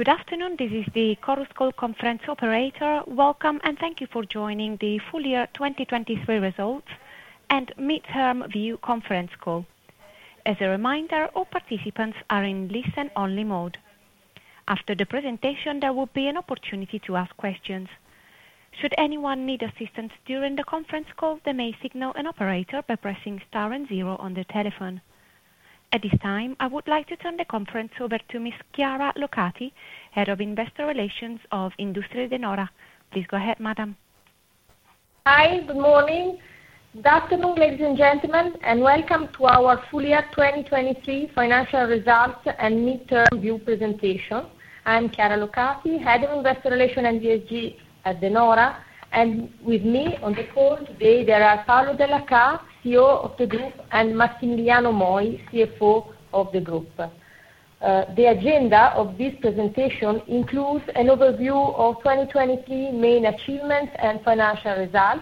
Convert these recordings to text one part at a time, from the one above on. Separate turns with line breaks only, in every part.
Good afternoon. This is the Chorus Call Conference Operator. Welcome, and thank you for joining the full year 2023 results and midterm view conference call. As a reminder, all participants are in listen-only mode. After the presentation, there will be an opportunity to ask questions. Should anyone need assistance during the conference call, they may signal an operator by pressing star and zero on their telephone. At this time, I would like to turn the conference over to Miss Chiara Locati, Head of Investor Relations of Industrie De Nora. Please go ahead, Madam.
Hi. Good morning. Good afternoon, ladies and gentlemen, and welcome to our full year 2023 financial results and midterm view presentation. I'm Chiara Locati, Head of Investor Relations and ESG at De Nora. With me on the call today there are Paolo Dellachà, CEO of the group, and Massimiliano Moi, CFO of the group. The agenda of this presentation includes an overview of 2023 main achievements and financial results.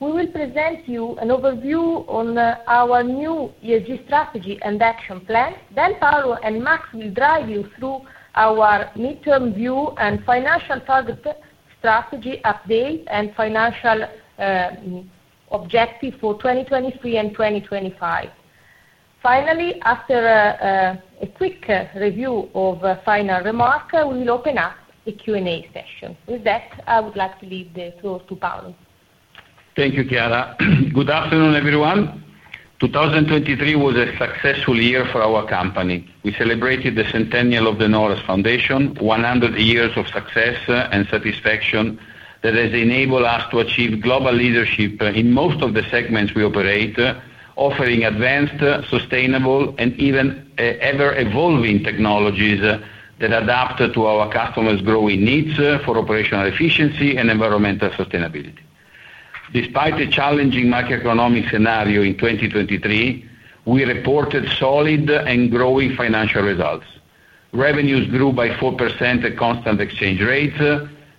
We will present you an overview on our new ESG strategy and action plan. Then Paolo and Mass will drive you through our midterm view and financial target strategy update and financial objective for 2023 and 2025. Finally, after a quick review of final remarks, we will open up a Q&A session. With that, I would like to leave the floor to Paolo.
Thank you, Chiara. Good afternoon, everyone. 2023 was a successful year for our company. We celebrated the centennial of De Nora's foundation, 100 years of success and satisfaction that has enabled us to achieve global leadership in most of the segments we operate, offering advanced, sustainable, and even ever-evolving technologies that adapt to our customers' growing needs for operational efficiency and environmental sustainability. Despite a challenging macroeconomic scenario in 2023, we reported solid and growing financial results. Revenues grew by 4% at constant exchange rates,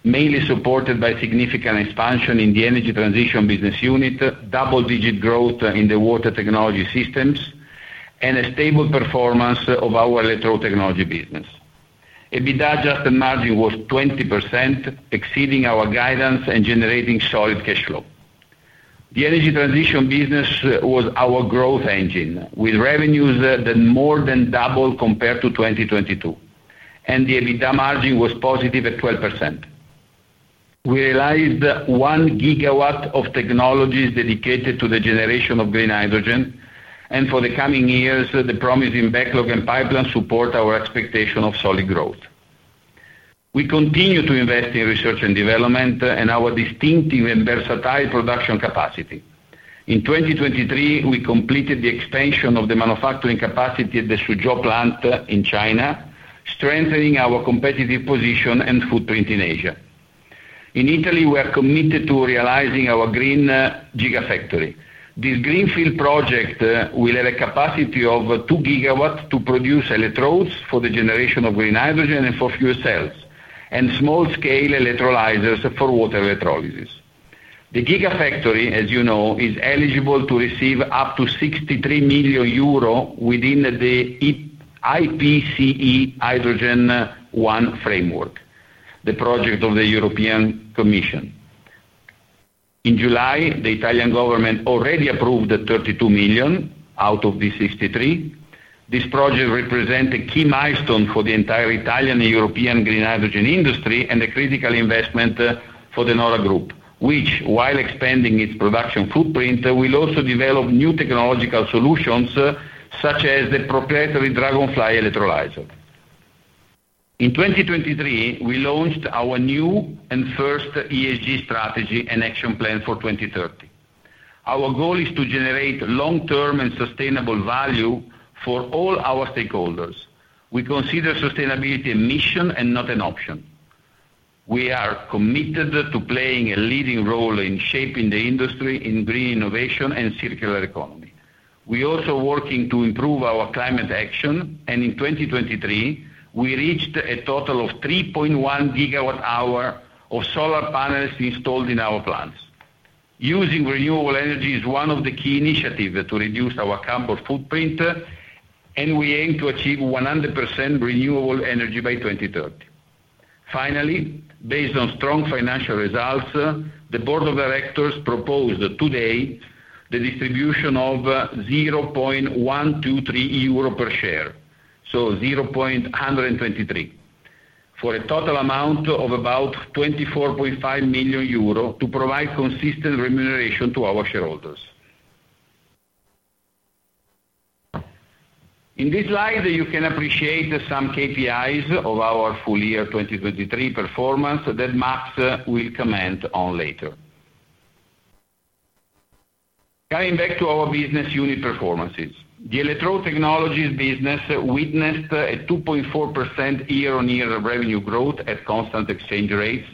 mainly supported by significant expansion in the energy transition business unit, double-digit growth in the water technology systems, and a stable performance of our electrode technology business. EBITDA adjusted margin was 20%, exceeding our guidance and generating solid cash flow. The energy transition business was our growth engine, with revenues that more than doubled compared to 2022, and the EBITDA margin was positive at 12%. We realized 1 gigawatt of technologies dedicated to the generation of green hydrogen, and for the coming years, the promising backlog and pipelines support our expectation of solid growth. We continue to invest in research and development and our distinctive and versatile production capacity. In 2023, we completed the expansion of the manufacturing capacity at the Suzhou plant in China, strengthening our competitive position and footprint in Asia. In Italy, we are committed to realizing our green Gigafactory. This greenfield project will have a capacity of 2 gigawatts to produce electrodes for the generation of green hydrogen and for fuel cells, and small-scale electrolyzers for water electrolysis. The Gigafactory, as you know, is eligible to receive up to 63 million euro within the IPCEI Hydrogen One framework, the project of the European Commission. In July, the Italian government already approved 32 million out of the 63. This project represents a key milestone for the entire Italian and European green hydrogen industry and a critical investment for De Nora Group, which, while expanding its production footprint, will also develop new technological solutions such as the proprietary Dragonfly electrolyzer. In 2023, we launched our new and first ESG strategy and action plan for 2030. Our goal is to generate long-term and sustainable value for all our stakeholders. We consider sustainability a mission and not an option. We are committed to playing a leading role in shaping the industry in green innovation and circular economy. We are also working to improve our climate action, and in 2023, we reached a total of 3.1 gigawatt-hour of solar panels installed in our plants. Using renewable energy is one of the key initiatives to reduce our carbon footprint, and we aim to achieve 100% renewable energy by 2030. Finally, based on strong financial results, the board of directors proposed today the distribution of 0.123 euro per share, so 0.123, for a total amount of about 24.5 million euro to provide consistent remuneration to our shareholders. In this slide, you can appreciate some KPIs of our full year 2023 performance that Mass will comment on later. Coming back to our business unit performances, the electrode technologies business witnessed a 2.4% year-on-year revenue growth at constant exchange rates.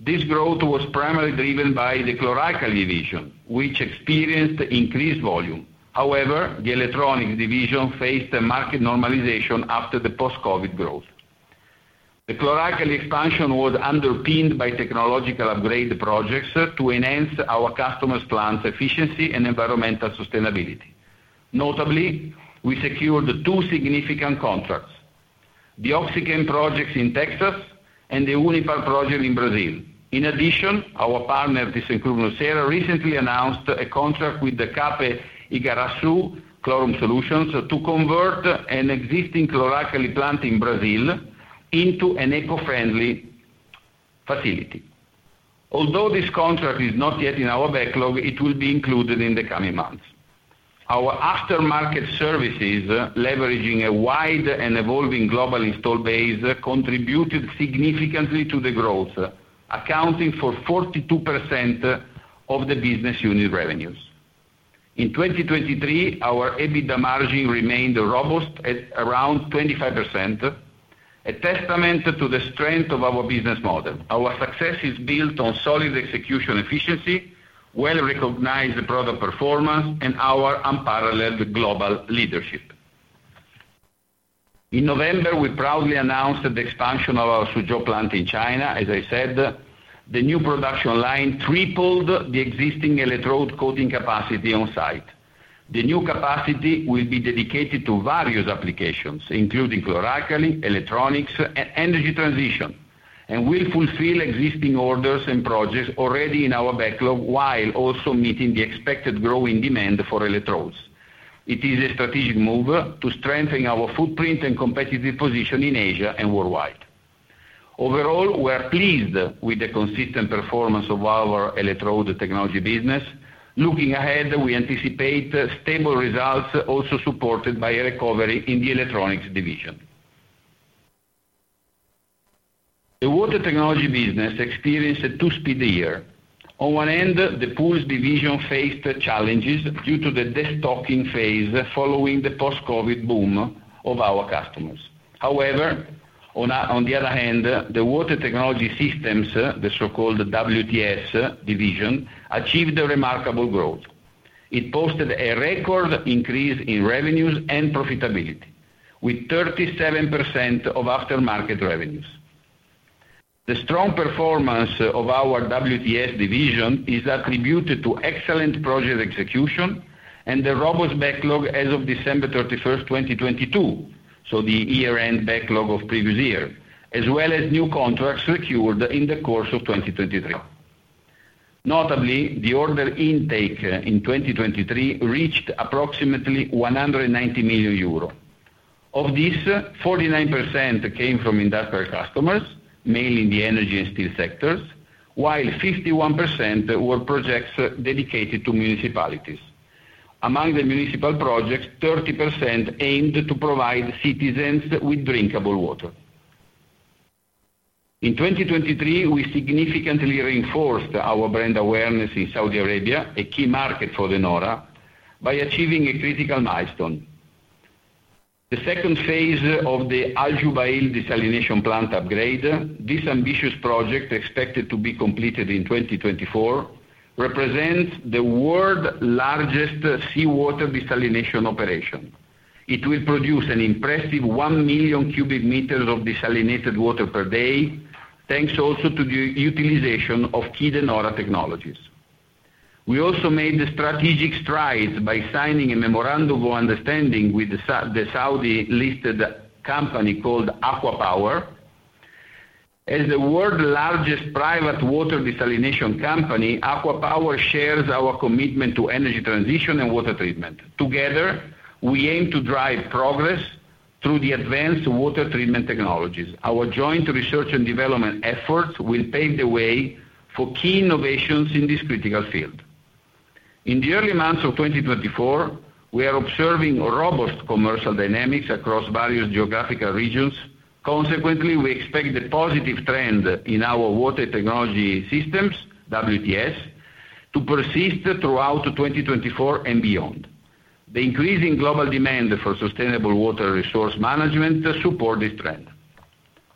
This growth was primarily driven by the chlor-alkali division, which experienced increased volume. However, the electronics division faced market normalization after the post-COVID growth. The chlor-alkali expansion was underpinned by technological upgrade projects to enhance our customers' plants' efficiency and environmental sustainability. Notably, we secured two significant contracts: the OxyChem projects in Texas and the Unipar project in Brazil. In addition, our partner, thyssenkrupp nucera, recently announced a contract with the CAPE Igarassu Chlorum Solutions to convert an existing chlor-alkali plant in Brazil into an eco-friendly facility. Although this contract is not yet in our backlog, it will be included in the coming months. Our aftermarket services, leveraging a wide and evolving global installed base, contributed significantly to the growth, accounting for 42% of the business unit revenues. In 2023, our EBITDA margin remained robust at around 25%, a testament to the strength of our business model. Our success is built on solid execution efficiency, well-recognized product performance, and our unparalleled global leadership. In November, we proudly announced the expansion of our Suzhou plant in China. As I said, the new production line tripled the existing electrode coating capacity on site. The new capacity will be dedicated to various applications, including Chlor-Alkali, electronics, and Energy Transition, and will fulfill existing orders and projects already in our backlog while also meeting the expected growing demand for electrodes. It is a strategic move to strengthen our footprint and competitive position in Asia and worldwide. Overall, we are pleased with the consistent performance of our electrode technology business. Looking ahead, we anticipate stable results, also supported by a recovery in the electronics division. The water technology business experienced a two-speed year. On one end, the pools division faced challenges due to the destocking phase following the post-COVID boom of our customers. However, on the other hand, the water technology systems, the so-called WTS division, achieved a remarkable growth. It posted a record increase in revenues and profitability, with 37% of aftermarket revenues. The strong performance of our WTS division is attributed to excellent project execution and the robust backlog as of December 31st, 2022, so the year-end backlog of previous year, as well as new contracts secured in the course of 2023. Notably, the order intake in 2023 reached approximately 190 million euro. Of this, 49% came from industrial customers, mainly in the energy and steel sectors, while 51% were projects dedicated to municipalities. Among the municipal projects, 30% aimed to provide citizens with drinkable water. In 2023, we significantly reinforced our brand awareness in Saudi Arabia, a key market for De Nora, by achieving a critical milestone. The second phase of the Al Jubail desalination plant upgrade, this ambitious project expected to be completed in 2024, represents the world's largest seawater desalination operation. It will produce an impressive 1 million cubic meters of desalinated water per day, thanks also to the utilization of key De Nora technologies. We also made the strategic strides by signing a memorandum of understanding with the Saudi-listed company called ACWA Power. As the world's largest private water desalination company, ACWA Power shares our commitment to energy transition and water treatment. Together, we aim to drive progress through the advanced water treatment technologies. Our joint research and development efforts will pave the way for key innovations in this critical field. In the early months of 2024, we are observing robust commercial dynamics across various geographical regions. Consequently, we expect the positive trend in our water technology systems, WTS, to persist throughout 2024 and beyond. The increasing global demand for sustainable water resource management supports this trend.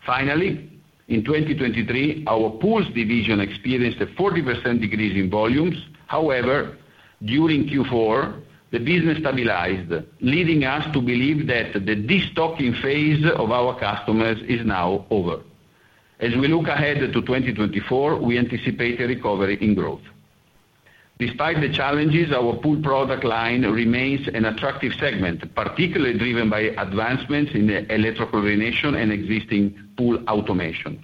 Finally, in 2023, our pools division experienced a 40% decrease in volumes. However, during Q4, the business stabilized, leading us to believe that the destocking phase of our customers is now over. As we look ahead to 2024, we anticipate a recovery in growth. Despite the challenges, our pool product line remains an attractive segment, particularly driven by advancements in electrochlorination and existing pool automation.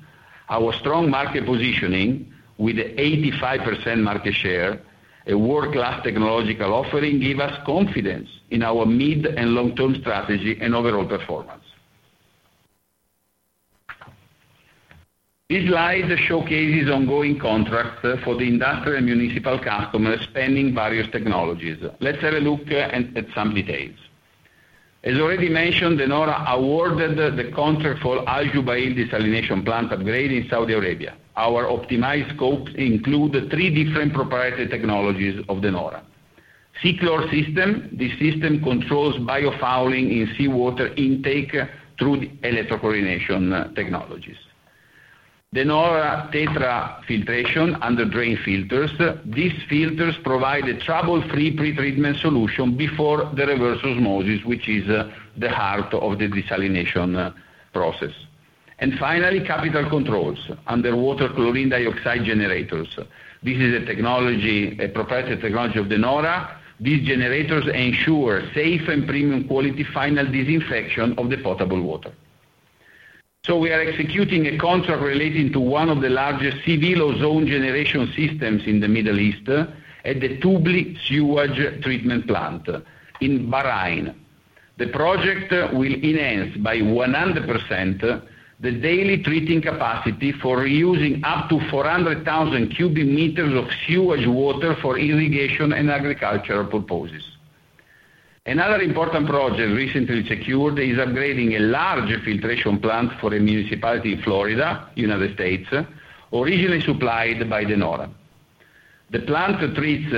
Our strong market positioning, with 85% market share, a world-class technological offering, gives us confidence in our mid- and long-term strategy and overall performance. This slide showcases ongoing contracts for the industrial and municipal customers spanning various technologies. Let's have a look at some details. As already mentioned, De Nora awarded the contract for Al Jubail desalination plant upgrade in Saudi Arabia. Our optimized scopes include three different proprietary technologies of De Nora: SeaClor system. This system controls biofouling in seawater intake through electrochlorination technologies. De Nora TETRA filtration underdrain filters. These filters provide a trouble-free pre-treatment solution before the reverse osmosis, which is the heart of the desalination process. And finally, Capital Controls underwater chlorine dioxide generators. This is a technology, a proprietary technology of De Nora. These generators ensure safe and premium-quality final disinfection of the potable water. So we are executing a contract relating to one of the largest seawater ozone generation systems in the Middle East at the Tubli Sewage Treatment Plant in Bahrain. The project will enhance by 100% the daily treating capacity for reusing up to 400,000 cubic meters of sewage water for irrigation and agricultural purposes. Another important project recently secured is upgrading a large filtration plant for a municipality in Florida, United States, originally supplied by De Nora. The plant treats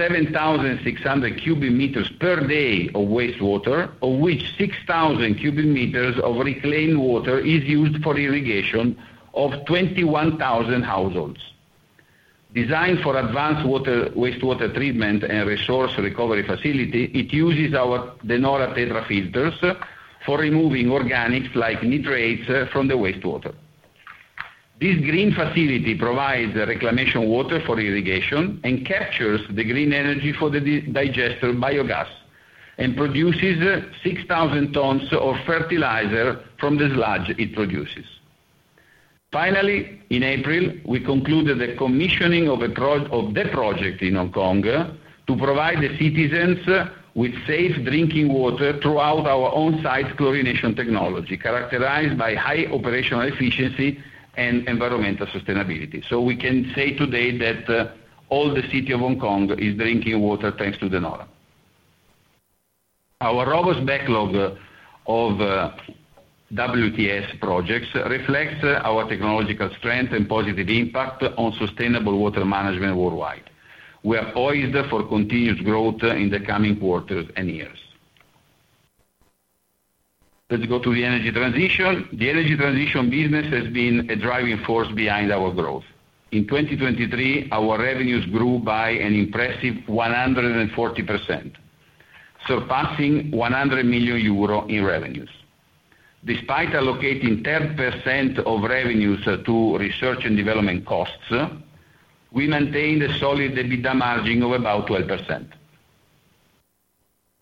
7,600 cubic meters per day of wastewater, of which 6,000 cubic meters of reclaimed water is used for irrigation of 21,000 households. Designed for advanced wastewater treatment and resource recovery facility, it uses our DE NORA TETRA filters for removing organics like nitrates from the wastewater. This green facility provides reclamation water for irrigation and captures the green energy for the digester biogas and produces 6,000 tons of fertilizer from the sludge it produces. Finally, in April, we concluded the commissioning of the project in Hong Kong to provide the citizens with safe drinking water throughout our on-site chlorination technology, characterized by high operational efficiency and environmental sustainability. We can say today that all the city of Hong Kong is drinking water thanks to De Nora. Our robust backlog of WTS projects reflects our technological strength and positive impact on sustainable water management worldwide. We are poised for continued growth in the coming quarters and years. Let's go to the Energy Transition. The Energy Transition business has been a driving force behind our growth. In 2023, our revenues grew by an impressive 140%, surpassing 100 million euro in revenues. Despite allocating 10% of revenues to research and development costs, we maintained a solid EBITDA margin of about 12%.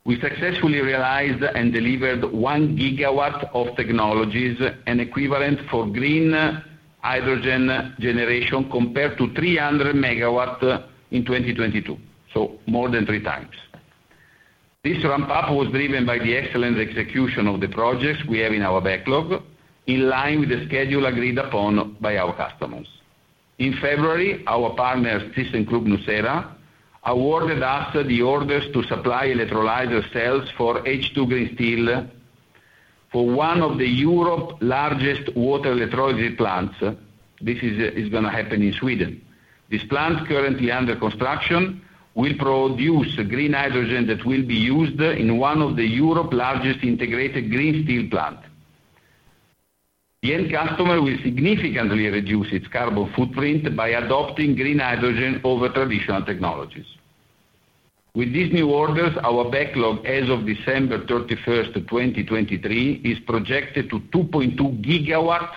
We successfully realized and delivered 1 GW of technologies and equivalent for Green Hydrogen generation compared to 300 MW in 2022, so more than three times. This ramp-up was driven by the excellent execution of the projects we have in our backlog, in line with the schedule agreed upon by our customers. In February, our partner, thyssenkrupp nucera, awarded us the orders to supply electrolyzer cells for H2 Green Steel for one of Europe's largest water electrolysis plants. This is going to happen in Sweden. This plant, currently under construction, will produce green hydrogen that will be used in one of Europe's largest integrated green steel plants. The end customer will significantly reduce its carbon footprint by adopting green hydrogen over traditional technologies. With these new orders, our backlog as of December 31st, 2023, is projected to 2.2 GW,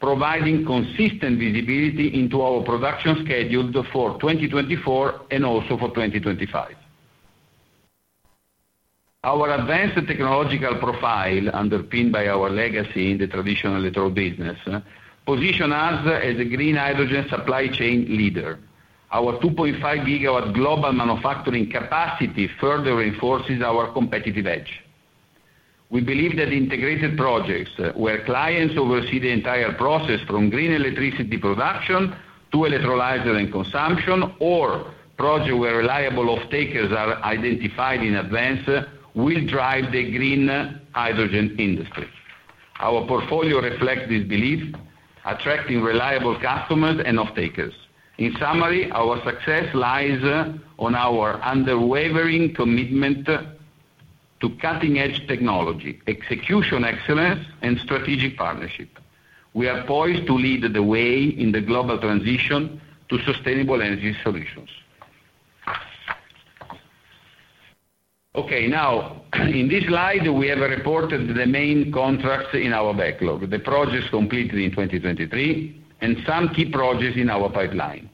providing consistent visibility into our production schedule for 2024 and also for 2025. Our advanced technological profile, underpinned by our legacy in the traditional electrode business, positions us as a green hydrogen supply chain leader. Our 2.5 GW global manufacturing capacity further reinforces our competitive edge. We believe that integrated projects where clients oversee the entire process from green electricity production to electrolyzer and consumption, or projects where reliable off-takers are identified in advance, will drive the green hydrogen industry. Our portfolio reflects this belief, attracting reliable customers and off-takers. In summary, our success lies on our unwavering commitment to cutting-edge technology, execution excellence, and strategic partnership. We are poised to lead the way in the global transition to sustainable energy solutions. Okay. Now, in this slide, we have reported the main contracts in our backlog, the projects completed in 2023, and some key projects in our pipeline.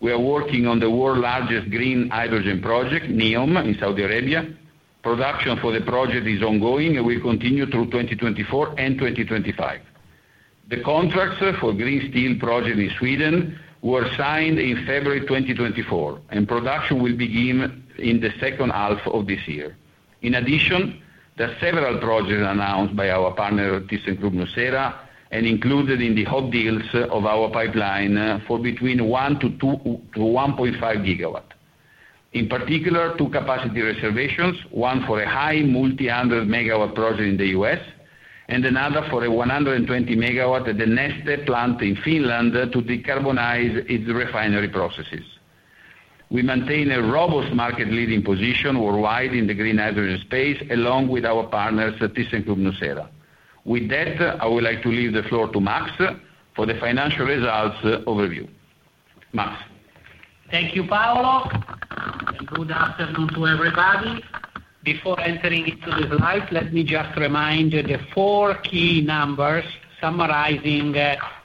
We are working on the world's largest green hydrogen project, NEOM, in Saudi Arabia. Production for the project is ongoing, and will continue through 2024 and 2025. The contracts for green steel projects in Sweden were signed in February 2024, and production will begin in the second half of this year. In addition, there are several projects announced by our partner, thyssenkrupp nucera, and included in the hot deals of our pipeline for between 1-1.5 GW, in particular two capacity reservations, one for a high multi-hundred-MW project in the U.S. and another for a 120 MW at the Neste plant in Finland to decarbonize its refinery processes. We maintain a robust market-leading position worldwide in the green hydrogen space, along with our partners, thyssenkrupp nucera. With that, I would like to leave the floor to Mass for the financial results overview. Mass. Thank you, Paolo. Good afternoon to everybody.
Before entering into the slides, let me just remind the four key numbers summarizing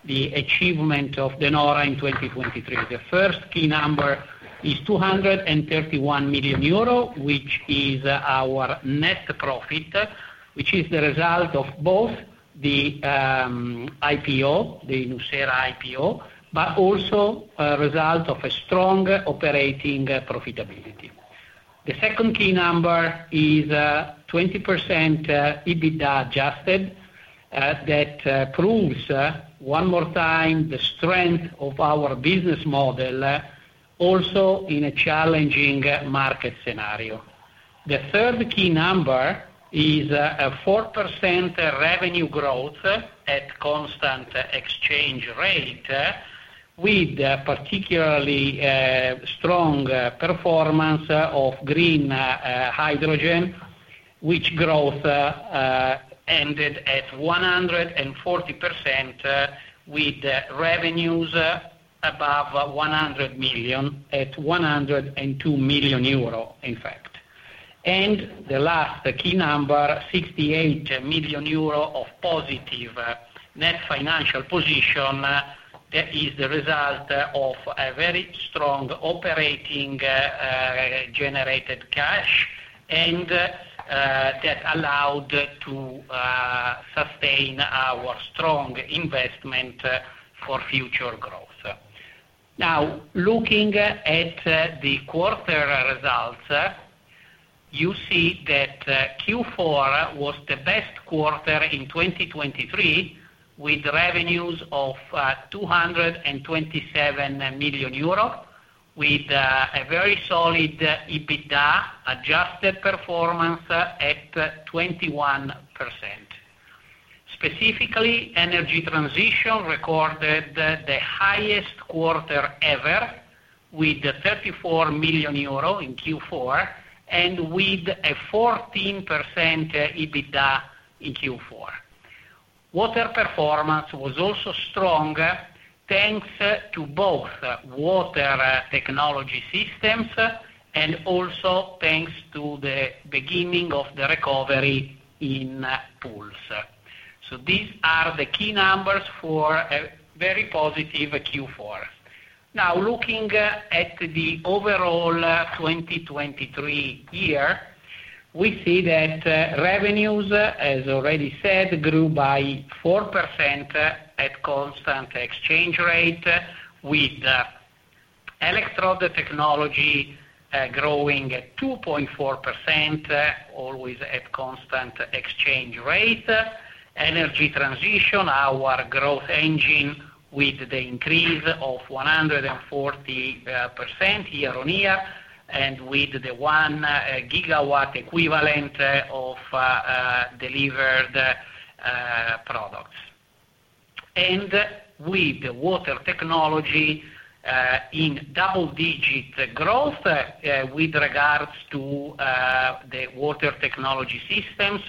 the achievement of De Nora in 2023. The first key number is 231 million euro, which is our net profit, which is the result of both the IPO, the Nucera IPO, but also a result of a strong operating profitability. The second key number is 20% EBITDA adjusted that proves, one more time, the strength of our business model also in a challenging market scenario. The third key number is 4% revenue growth at constant exchange rate with particularly strong performance of green hydrogen, which growth ended at 140% with revenues above 100 million at 102 million euro, in fact. The last key number, 68 million euro of positive net financial position, is the result of a very strong operating generated cash that allowed to sustain our strong investment for future growth. Now, looking at the quarter results, you see that Q4 was the best quarter in 2023 with revenues of 227 million euros, with a very solid EBITDA adjusted performance at 21%. Specifically, energy transition recorded the highest quarter ever with 34 million euro in Q4 and with a 14% EBITDA in Q4. Water performance was also strong thanks to both water technology systems and also thanks to the beginning of the recovery in pools. So these are the key numbers for a very positive Q4. Now, looking at the overall 2023 year, we see that revenues, as already said, grew by 4% at constant exchange rate with electrode technology growing at 2.4%, always at constant exchange rate. Energy transition, our growth engine, with the increase of 140% year-over-year and with the 1 gigawatt equivalent of delivered products. With water technology in double-digit growth with regards to the water technology systems,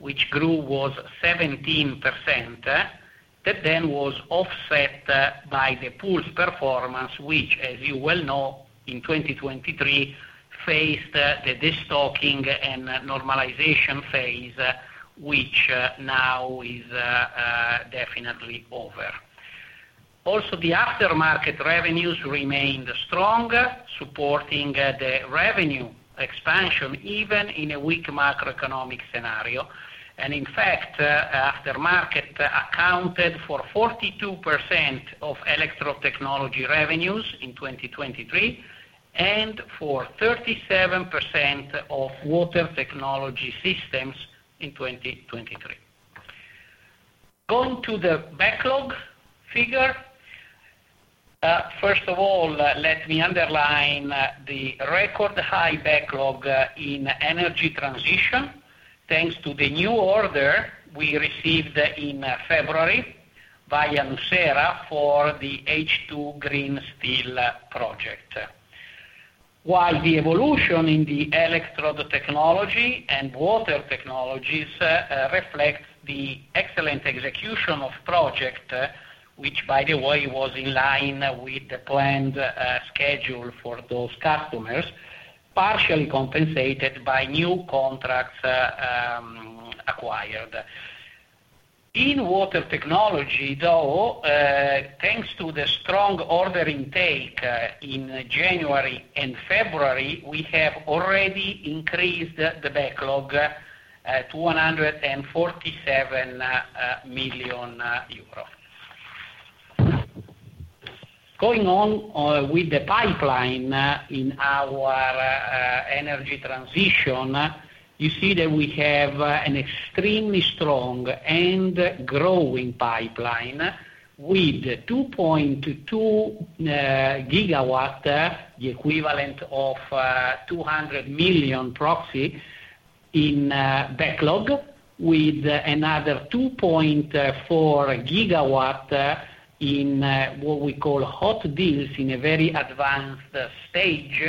which grew was 17% that then was offset by the pools' performance, which, as you well know, in 2023 faced the destocking and normalization phase, which now is definitely over. Also, the aftermarket revenues remained strong, supporting the revenue expansion even in a weak macroeconomic scenario. In fact, aftermarket accounted for 42% of electrotechnology revenues in 2023 and for 37% of water technology systems in 2023. Going to the backlog figure, first of all, let me underline the record high backlog in energy transition thanks to the new order we received in February via Nucera for the H2 Green Steel project. While the evolution in the electrode technology and water technologies reflects the excellent execution of projects, which, by the way, was in line with the planned schedule for those customers, partially compensated by new contracts acquired. In water technology, though, thanks to the strong order intake in January and February, we have already increased the backlog to EUR 147 million. Going on with the pipeline in our energy transition, you see that we have an extremely strong and growing pipeline with 2.2 GW, the equivalent of 200 million proxy, in backlog with another 2.4 GW in what we call hot deals in a very advanced stage.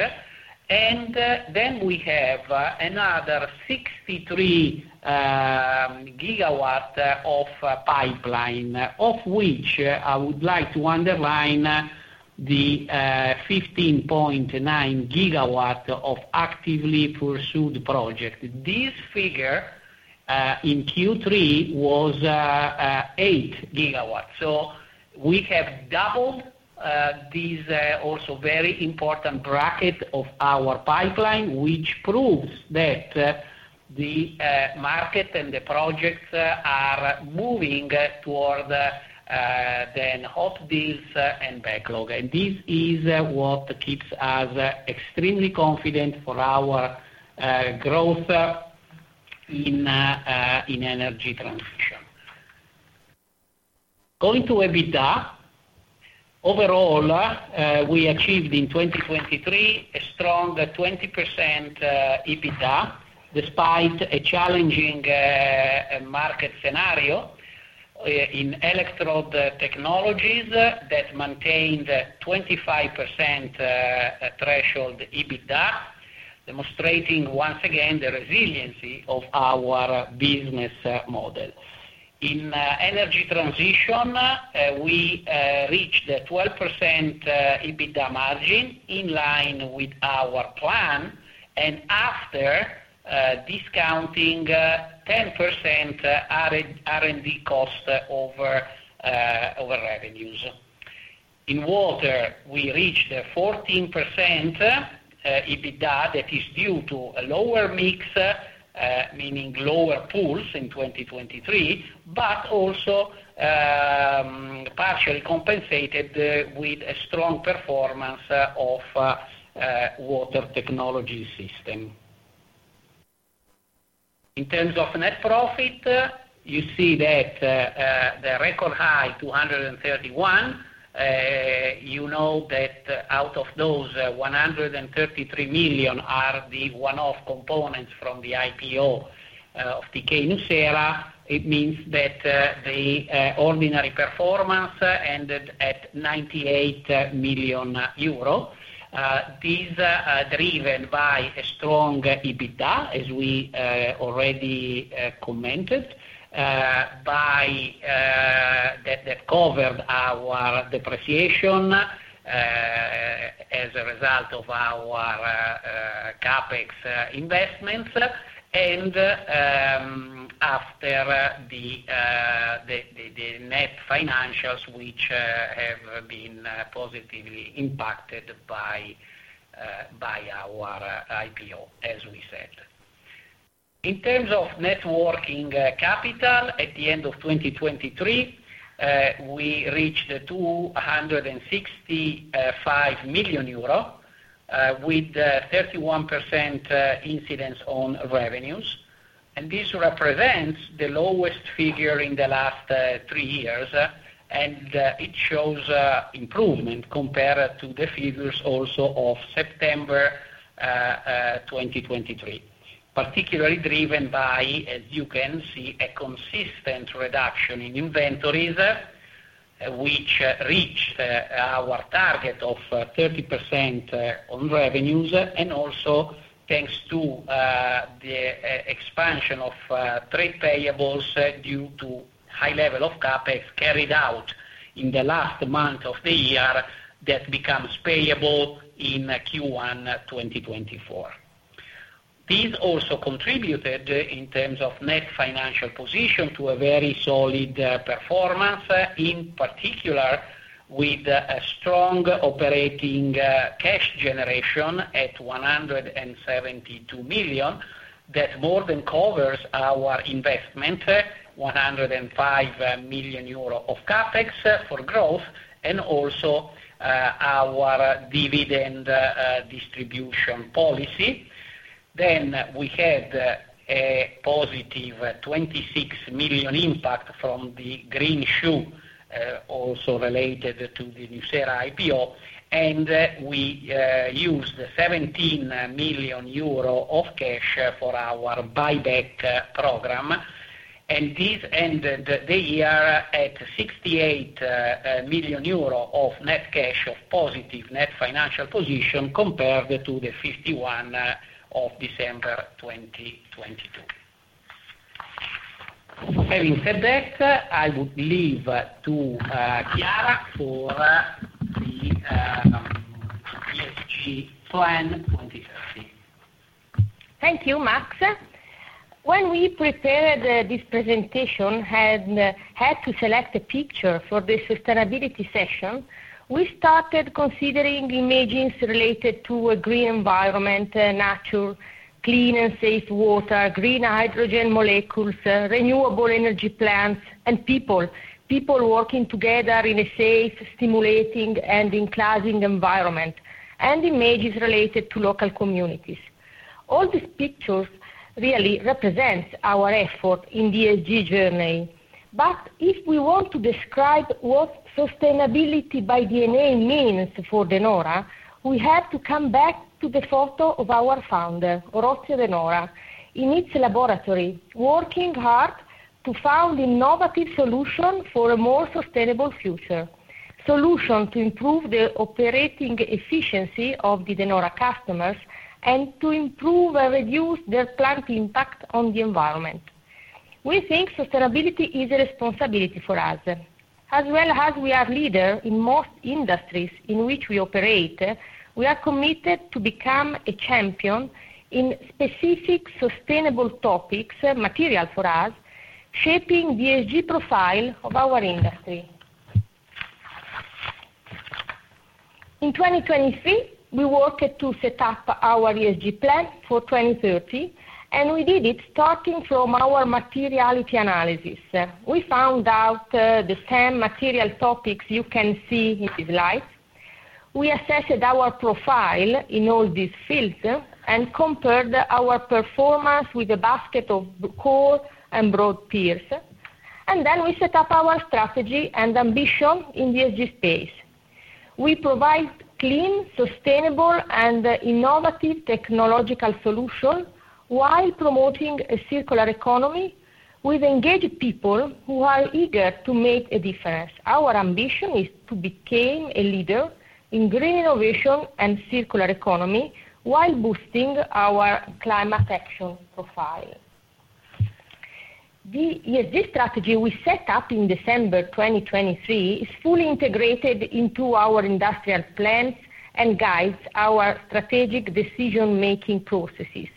And then we have another 63 GW of pipeline, of which I would like to underline the 15.9 GW of actively pursued projects. This figure in Q3 was 8 GW. We have doubled this also very important bracket of our pipeline, which proves that the market and the projects are moving toward the hot deals and backlog. This is what keeps us extremely confident for our growth in energy transition. Going to EBITDA, overall, we achieved in 2023 a strong 20% EBITDA despite a challenging market scenario in electrode technologies that maintained a 25% threshold EBITDA, demonstrating, once again, the resiliency of our business model. In energy transition, we reached a 12% EBITDA margin in line with our plan and after discounting 10% R&D cost over revenues. In water, we reached a 14% EBITDA that is due to a lower mix, meaning lower pools in 2023, but also partially compensated with a strong performance of water technology system. In terms of net profit, you see that the record high, 231 million, you know that out of those, 133 million are the one-off components from the IPO of thyssenkrupp nucera. It means that the ordinary performance ended at 98 million euro. This is driven by a strong EBITDA, as we already commented, that covered our depreciation as a result of our CapEx investments and after the net financials, which have been positively impacted by our IPO, as we said. In terms of net working capital, at the end of 2023, we reached 265 million euro with 31% incidence on revenues. This represents the lowest figure in the last three years. It shows improvement compared to the figures also of September 2023, particularly driven by, as you can see, a consistent reduction in inventories, which reached our target of 30% on revenues and also thanks to the expansion of trade payables due to high level of Capex carried out in the last month of the year that becomes payable in Q1 2024. This also contributed, in terms of net financial position, to a very solid performance, in particular with a strong operating cash generation at 172 million that more than covers our investment, 105 million euro of Capex for growth and also our dividend distribution policy. We had a positive 26 million impact from the green shoe, also related to the Nucera IPO. And we used 17 million euro of cash for our buyback program. This ended the year at 68 million euro of net cash, of positive net financial position, compared to the 51 million of December 2022. Having said that, I would leave to Chiara for the ESG Plan 2030.
Thank you, Mass. When we prepared this presentation and had to select a picture for this sustainability session, we started considering images related to a green environment, natural, clean, and safe water, green hydrogen molecules, renewable energy plants, and people, people working together in a safe, stimulating, and enclosing environment, and images related to local communities. All these pictures really represent our effort in the ESG journey. But if we want to describe what sustainability by DNA means for De Nora, we have to come back to the photo of our founder, Oronzio De Nora, in his laboratory, working hard to find innovative solutions for a more sustainable future, solutions to improve the operating efficiency of the De Nora customers and to improve and reduce their plant impact on the environment. We think sustainability is a responsibility for us. As well as we are a leader in most industries in which we operate, we are committed to become a champion in specific sustainable topics, material for us, shaping the ESG profile of our industry. In 2023, we worked to set up our ESG Plan for 2030. And we did it starting from our materiality analysis. We found out the same material topics you can see in this slide. We assessed our profile in all these fields and compared our performance with a basket of core and broad peers. Then we set up our strategy and ambition in the ESG space. We provide clean, sustainable, and innovative technological solutions while promoting a circular economy with engaged people who are eager to make a difference. Our ambition is to become a leader in green innovation and circular economy while boosting our climate action profile. The ESG strategy we set up in December 2023 is fully integrated into our industrial plans and guides our strategic decision-making processes.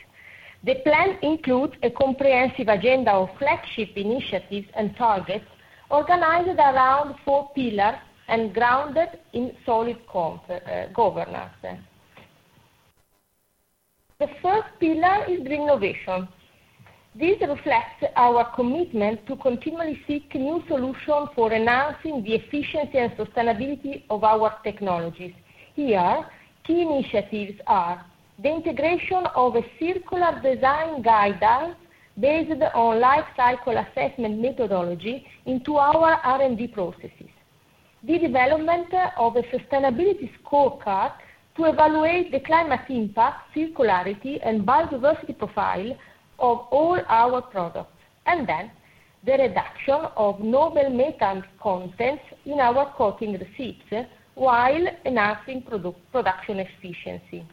The plan includes a comprehensive agenda of flagship initiatives and targets organized around four pillars and grounded in solid governance. The first pillar is green innovation. This reflects our commitment to continually seek new solutions for enhancing the efficiency and sustainability of our technologies. Here, key initiatives are the integration of a circular design guideline based on life cycle assessment methodology into our R&D processes, the development of a sustainability scorecard to evaluate the climate impact, circularity, and biodiversity profile of all our products, and then the reduction of noble metal contents in our coating recipes while enhancing production efficiency.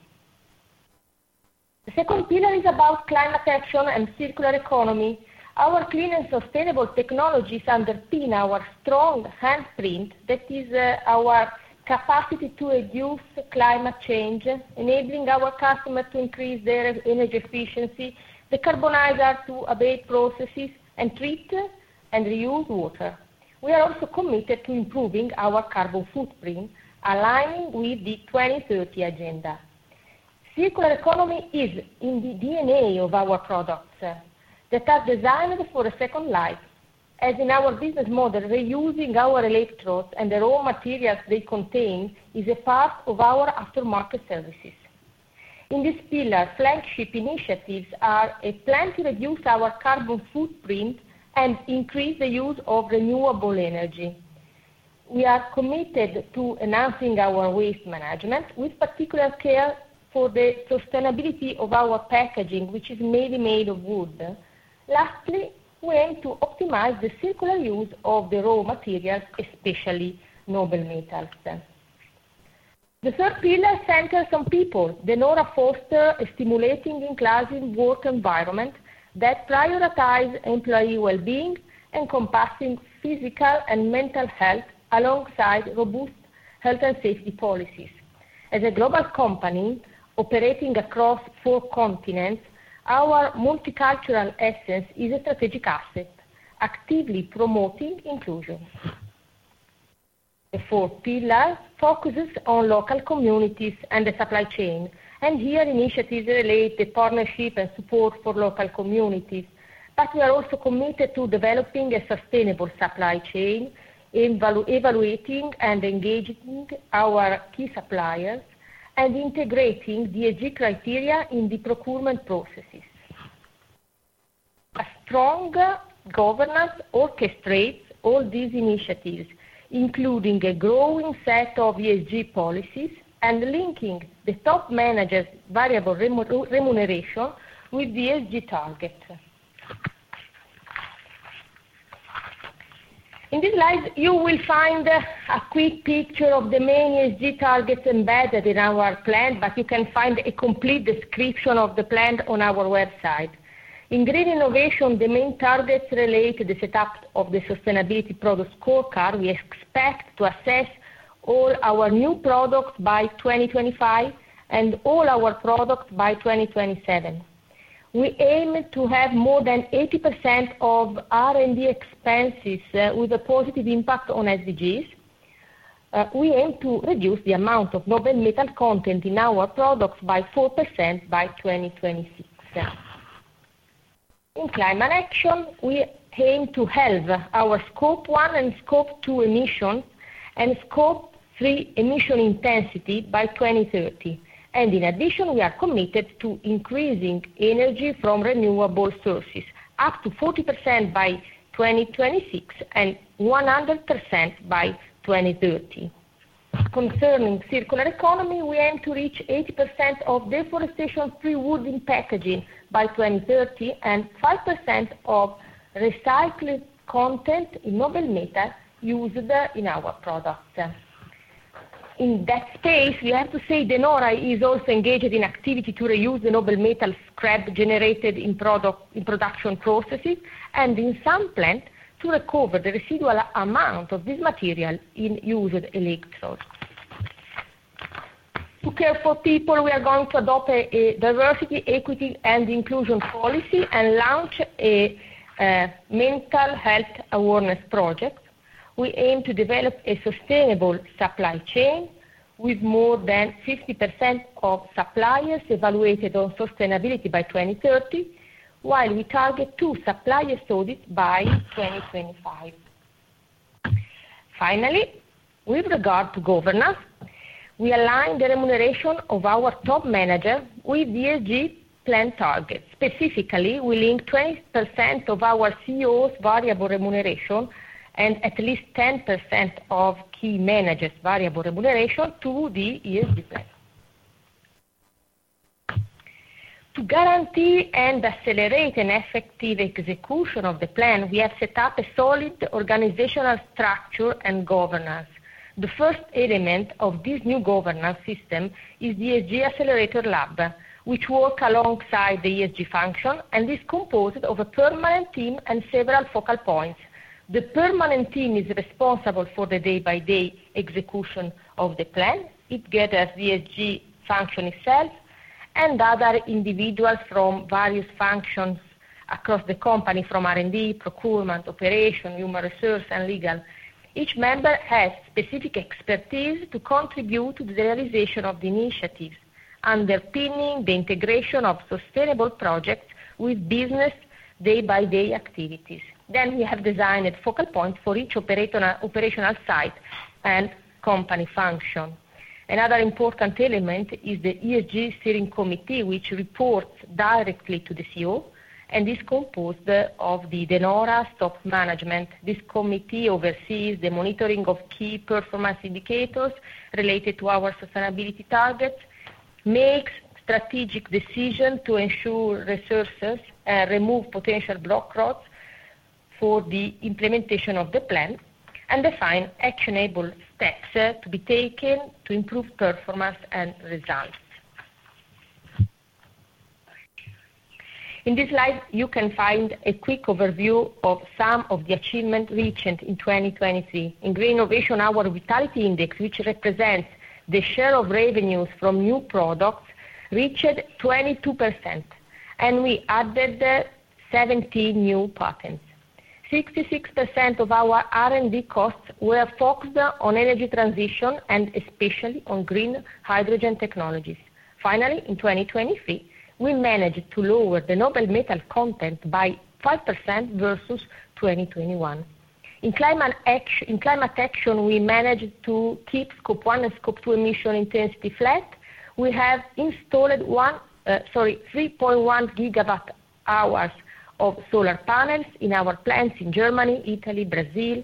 The second pillar is about climate action and circular economy. Our clean and sustainable technologies underpin our strong handprint. That is our capacity to reduce climate change, enabling our customers to increase their energy efficiency, decarbonize and abate processes, and treat and reuse water. We are also committed to improving our carbon footprint, aligning with the 2030 Agenda. Circular economy is in the DNA of our products that are designed for a second life. As in our business model, reusing our electrodes and the raw materials they contain is a part of our aftermarket services. In this pillar, flagship initiatives are a plan to reduce our carbon footprint and increase the use of renewable energy. We are committed to enhancing our waste management with particular care for the sustainability of our packaging, which is mainly made of wood. Lastly, we aim to optimize the circular use of the raw materials, especially noble metals. The third pillar centers on people. De Nora fosters a stimulating, inclusive work environment that prioritizes employee well-being and comprehensive physical and mental health alongside robust health and safety policies. As a global company operating across four continents, our multicultural essence is a strategic asset, actively promoting inclusion. The fourth pillar focuses on local communities and the supply chain. Here, initiatives relate to partnership and support for local communities. But we are also committed to developing a sustainable supply chain, evaluating and engaging our key suppliers, and integrating the ESG criteria in the procurement processes. A strong governance orchestrates all these initiatives, including a growing set of ESG policies and linking the top manager's variable remuneration with the ESG targets. In these slides, you will find a quick picture of the main ESG targets embedded in our plan. But you can find a complete description of the plan on our website. In green innovation, the main targets relate to the setup of the sustainability product scorecard. We expect to assess all our new products by 2025 and all our products by 2027. We aim to have more than 80% of R&D expenses with a positive impact on SDGs. We aim to reduce the amount of noble metal content in our products by 4% by 2026. In climate action, we aim to halve our scope one and scope two emissions and scope three emission intensity by 2030. In addition, we are committed to increasing energy from renewable sources up to 40% by 2026 and 100% by 2030. Concerning circular economy, we aim to reach 80% of deforestation-free wooden packaging by 2030 and 5% of recycled content in noble metal used in our products. In that space, we have to say De Nora is also engaged in activity to reuse the noble metal scrap generated in production processes and in some plants to recover the residual amount of this material in used electrodes. To care for people, we are going to adopt a diversity, equity, and inclusion policy and launch a mental health awareness project. We aim to develop a sustainable supply chain with more than 50% of suppliers evaluated on sustainability by 2030, while we target two suppliers audits by 2025. Finally, with regard to governance, we align the remuneration of our top manager with the ESG plan targets. Specifically, we link 20% of our CEO's variable remuneration and at least 10% of key managers' variable remuneration to the ESG plan. To guarantee and accelerate an effective execution of the plan, we have set up a solid organizational structure and governance. The first element of this new governance system is the ESG Accelerator Lab, which works alongside the ESG function. It's composed of a permanent team and several focal points. The permanent team is responsible for the day-to-day execution of the plan. It gathers the ESG function itself and other individuals from various functions across the company, from R&D, procurement, operation, human resource, and legal. Each member has specific expertise to contribute to the realization of the initiatives, underpinning the integration of sustainable projects with business day-by-day activities. Then we have designed a focal point for each operational site and company function. Another important element is the ESG Steering Committee, which reports directly to the CEO. It's composed of the De Nora top management. This committee oversees the monitoring of key performance indicators related to our sustainability targets, makes strategic decisions to ensure resources and remove potential roadblocks for the implementation of the plan, and defines actionable steps to be taken to improve performance and results. In these slides, you can find a quick overview of some of the achievements reached in 2023. In green innovation, our Vitality Index, which represents the share of revenues from new products, reached 22%. We added 70 new patents. 66% of our R&D costs were focused on energy transition and especially on green hydrogen technologies. Finally, in 2023, we managed to lower the noble metal content by 5% versus 2021. In climate action, we managed to keep Scope 1 and Scope 2 emission intensity flat. We have installed 3.1 GWh of solar panels in our plants in Germany, Italy, Brazil.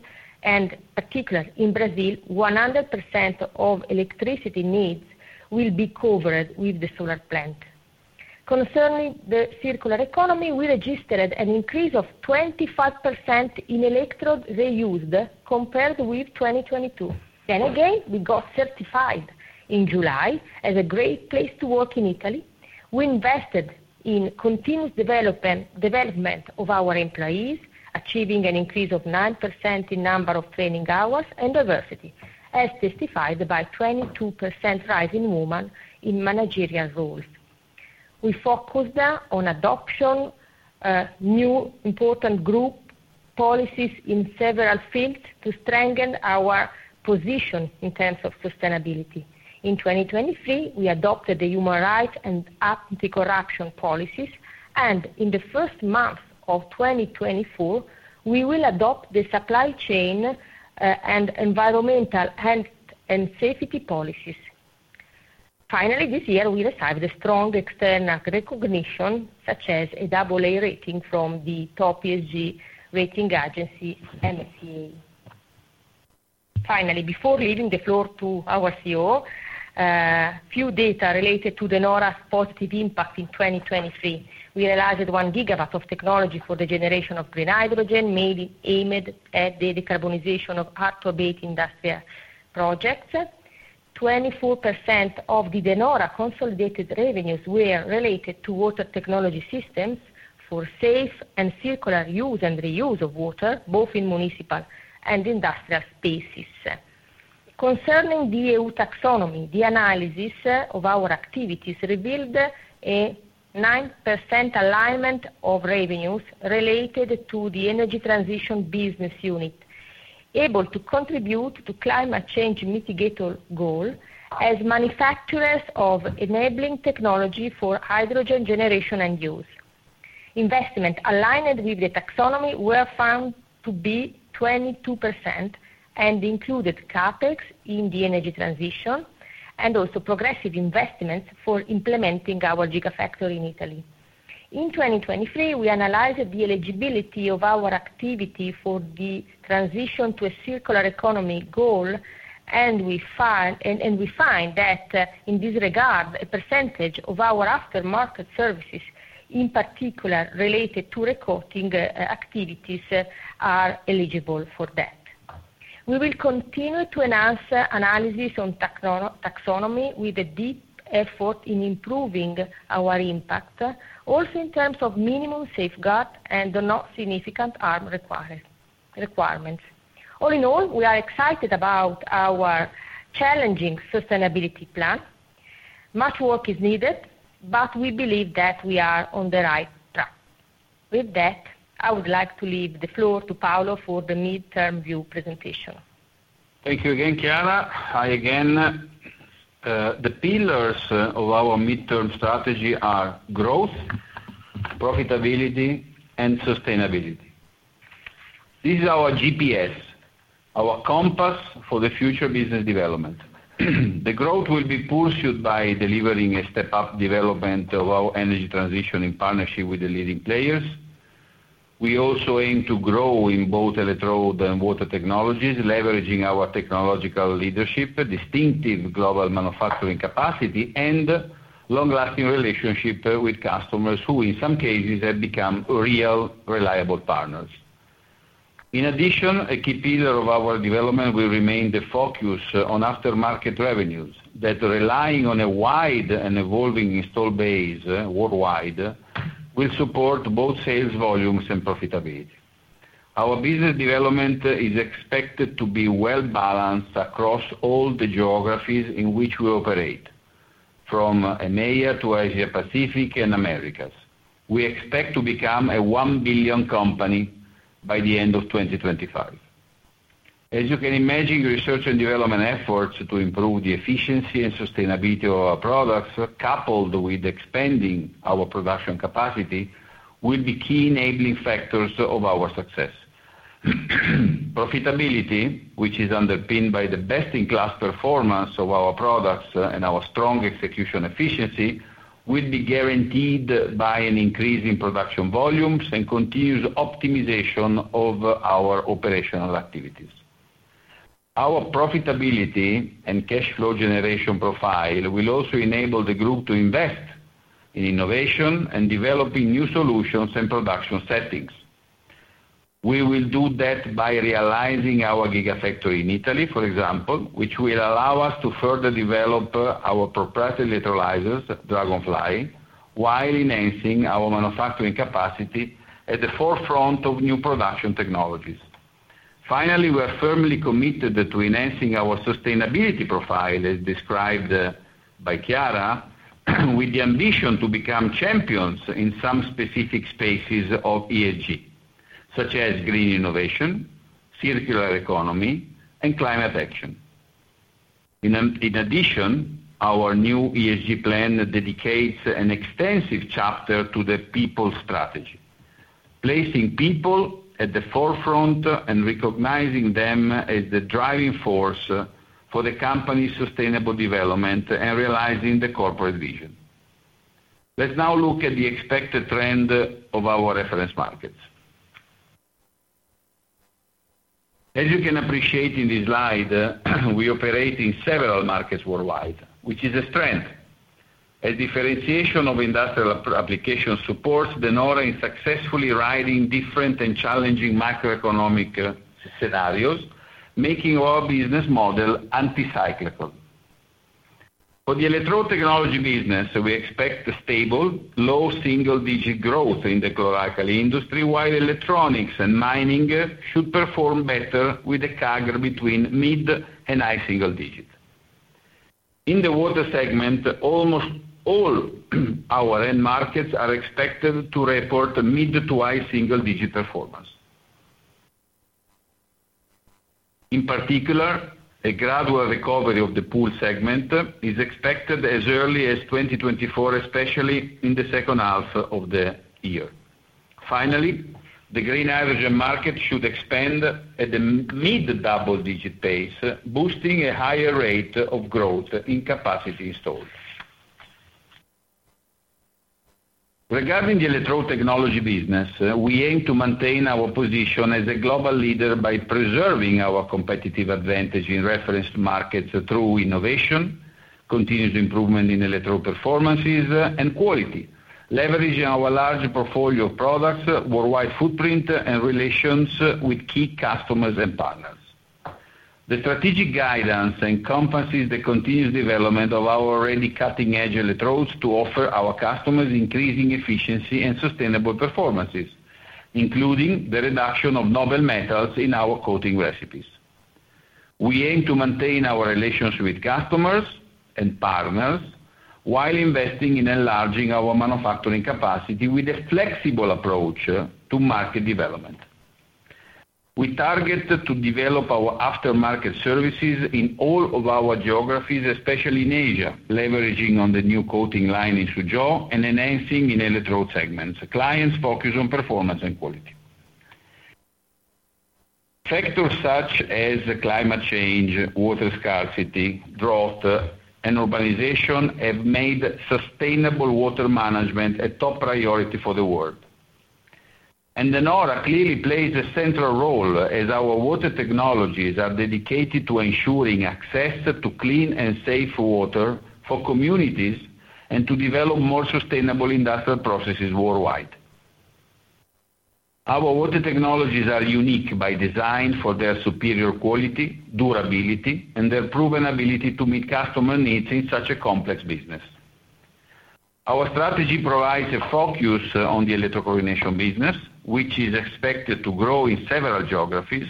Particularly in Brazil, 100% of electricity needs will be covered with the solar plant. Concerning the circular economy, we registered an increase of 25% in electrodes reused compared with 2022. Then again, we got certified in July as a great place to work in Italy. We invested in continuous development of our employees, achieving an increase of 9% in number of training hours and diversity, as testified by a 22% rise in women in managerial roles. We focused on adoption of new important group policies in several fields to strengthen our position in terms of sustainability. In 2023, we adopted the human rights and anti-corruption policies. In the first month of 2024, we will adopt the supply chain and environmental health and safety policies. Finally, this year, we received a strong external recognition, such as a AA rating from the top ESG rating agency, MSCI. Finally, before leaving the floor to our Chief Executive Officer, a few data related to De Nora's positive impact in 2023. We realized that 1 GW of technology for the generation of green hydrogen may be aimed at the decarbonization of hard-to-abate industrial projects. 24% of the De Nora consolidated revenues were related to water technology systems for safe and circular use and reuse of water, both in municipal and industrial spaces. Concerning the EU Taxonomy, the analysis of our activities revealed a 9% alignment of revenues related to the Energy Transition business unit, able to contribute to the climate change mitigator goal as manufacturers of enabling technology for hydrogen generation and use. Investment aligned with the Taxonomy was found to be 22% and included CapEx in the Energy Transition and also progressive investments for implementing our Gigafactory in Italy. In 2023, we analyzed the eligibility of our activity for the transition to a Circular Economy goal. We find that in this regard, a percentage of our aftermarket services, in particular related to recycling activities, are eligible for that. We will continue to enhance analysis on taxonomy with a deep effort in improving our impact, also in terms of minimum safeguards and the do no significant harm requirements. All in all, we are excited about our challenging sustainability plan. Much work is needed. But we believe that we are on the right track. With that, I would like to leave the floor to Paolo for the midterm view presentation.
Thank you again, Chiara. Hi again. The pillars of our midterm strategy are growth, profitability, and sustainability. This is our GPS, our compass for the future business development. The growth will be pursued by delivering a step-up development of our energy transition in partnership with the leading players. We also aim to grow in both electrode and water technologies, leveraging our technological leadership, distinctive global manufacturing capacity, and long-lasting relationships with customers who, in some cases, have become real reliable partners. In addition, a key pillar of our development will remain the focus on aftermarket revenues that, relying on a wide and evolving install base worldwide, will support both sales volumes and profitability. Our business development is expected to be well-balanced across all the geographies in which we operate, from EMEA to Asia-Pacific and Americas. We expect to become a €1 billion company by the end of 2025. As you can imagine, research and development efforts to improve the efficiency and sustainability of our products, coupled with expanding our production capacity, will be key enabling factors of our success. Profitability, which is underpinned by the best-in-class performance of our products and our strong execution efficiency, will be guaranteed by an increase in production volumes and continuous optimization of our operational activities. Our profitability and cash flow generation profile will also enable the group to invest in innovation and developing new solutions and production settings. We will do that by realizing our Gigafactory in Italy, for example, which will allow us to further develop our proprietary electrolyzers, Dragonfly, while enhancing our manufacturing capacity at the forefront of new production technologies. Finally, we are firmly committed to enhancing our sustainability profile, as described by Chiara, with the ambition to become champions in some specific spaces of ESG, such as green innovation, circular economy, and climate action. In addition, our new ESG plan dedicates an extensive chapter to the people strategy, placing people at the forefront and recognizing them as the driving force for the company's sustainable development and realizing the corporate vision.
Let's now look at the expected trend of our reference markets. As you can appreciate in this slide, we operate in several markets worldwide, which is a strength. A differentiation of industrial application supports De Nora in successfully riding different and challenging macroeconomic scenarios, making our business model anti-cyclical. For the electrode technology business, we expect stable, low single-digit growth in the chlor-alkali industry, while electronics and mining should perform better with a CAGR between mid- and high single-digit. In the water segment, almost all our end markets are expected to report mid- to high single-digit performance. In particular, a gradual recovery of the pool segment is expected as early as 2024, especially in the second half of the year. Finally, the green hydrogen market should expand at a mid-double-digit pace, boosting a higher rate of growth in capacity installed. Regarding the electrode technology business, we aim to maintain our position as a global leader by preserving our competitive advantage in reference markets through innovation, continuous improvement in electrode performances, and quality, leveraging our large portfolio of products, worldwide footprint, and relations with key customers and partners. The strategic guidance encompasses the continuous development of our already cutting-edge electrodes to offer our customers increasing efficiency and sustainable performances, including the reduction of noble metals in our coating recipes. We aim to maintain our relations with customers and partners while investing in enlarging our manufacturing capacity with a flexible approach to market development. We target to develop our aftermarket services in all of our geographies, especially in Asia, leveraging on the new coating line in Suzhou and enhancing in electrode segments. Clients focus on performance and quality. Factors such as climate change, water scarcity, drought, and urbanization have made sustainable water management a top priority for the world. De Nora clearly plays a central role as our water technologies are dedicated to ensuring access to clean and safe water for communities and to develop more sustainable industrial processes worldwide. Our water technologies are unique by design for their superior quality, durability, and their proven ability to meet customer needs in such a complex business. Our strategy provides a focus on the electrochemical business, which is expected to grow in several geographies,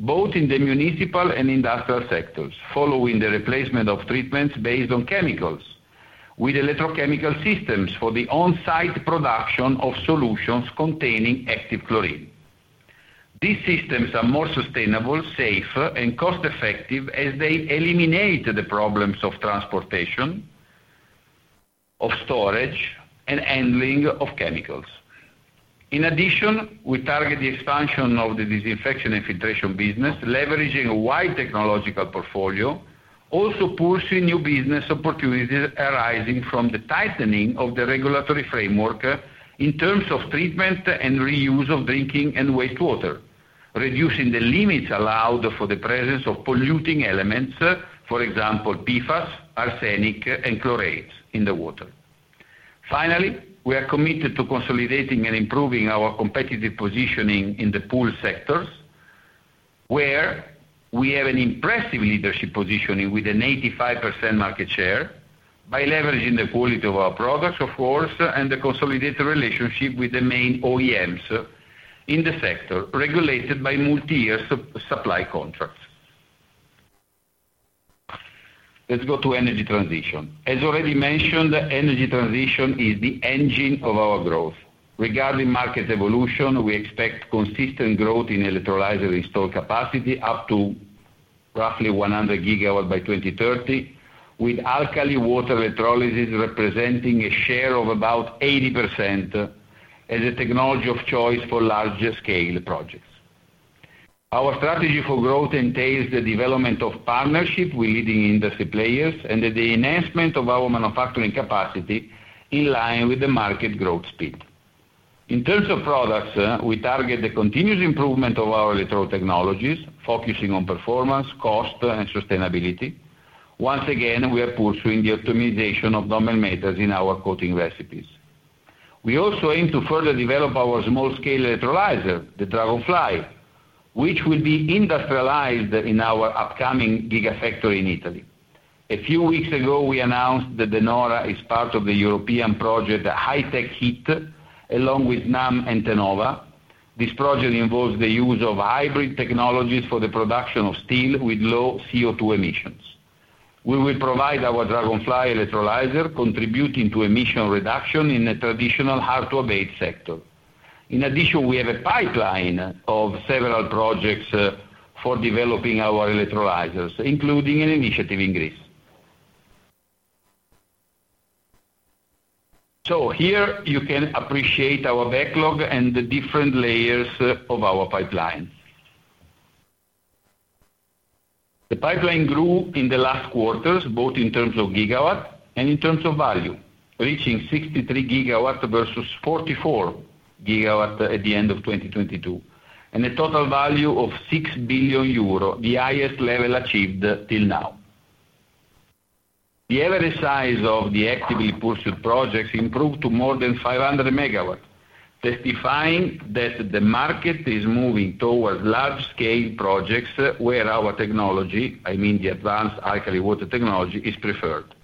both in the municipal and industrial sectors, following the replacement of treatments based on chemicals with electrochemical systems for the on-site production of solutions containing active chlorine. These systems are more sustainable, safe, and cost-effective as they eliminate the problems of transportation, of storage, and handling of chemicals. In addition, we target the expansion of the disinfection and filtration business, leveraging a wide technological portfolio, also pursuing new business opportunities arising from the tightening of the regulatory framework in terms of treatment and reuse of drinking and wastewater, reducing the limits allowed for the presence of polluting elements, for example, PFAS, arsenic, and chlorates in the water. Finally, we are committed to consolidating and improving our competitive positioning in the pool sectors, where we have an impressive leadership positioning with an 85% market share by leveraging the quality of our products, of course, and the consolidated relationship with the main OEMs in the sector regulated by multi-year supply contracts. Let's go to energy transition. As already mentioned, energy transition is the engine of our growth. Regarding market evolution, we expect consistent growth in electrolyzer install capacity up to roughly 100 GW by 2030, with alkaline water electrolysis representing a share of about 80% as a technology of choice for larger-scale projects. Our strategy for growth entails the development of partnerships with leading industry players and the enhancement of our manufacturing capacity in line with the market growth speed. In terms of products, we target the continuous improvement of our electrode technologies, focusing on performance, cost, and sustainability. Once again, we are pursuing the optimization of noble metals in our coating recipes. We also aim to further develop our small-scale electrolyzer, the Dragonfly, which will be industrialized in our upcoming Gigafactory in Italy. A few weeks ago, we announced that De Nora is part of the European project HyTechHeat, along with Snam and Tenova. This project involves the use of hybrid technologies for the production of steel with low CO2 emissions. We will provide our Dragonfly electrolyzer, contributing to emission reduction in the traditional hard-to-abate sector. In addition, we have a pipeline of several projects for developing our electrolyzers, including an initiative in Greece. So here, you can appreciate our backlog and the different layers of our pipeline. The pipeline grew in the last quarters, both in terms of gigawatt and in terms of value, reaching 63 GW versus 44 GW at the end of 2022, and a total value of 6 billion euro, the highest level achieved till now. The average size of the actively pursued projects improved to more than 500 MW, testifying that the market is moving towards large-scale projects where our technology—I mean the advanced alkaline water technology—is preferred.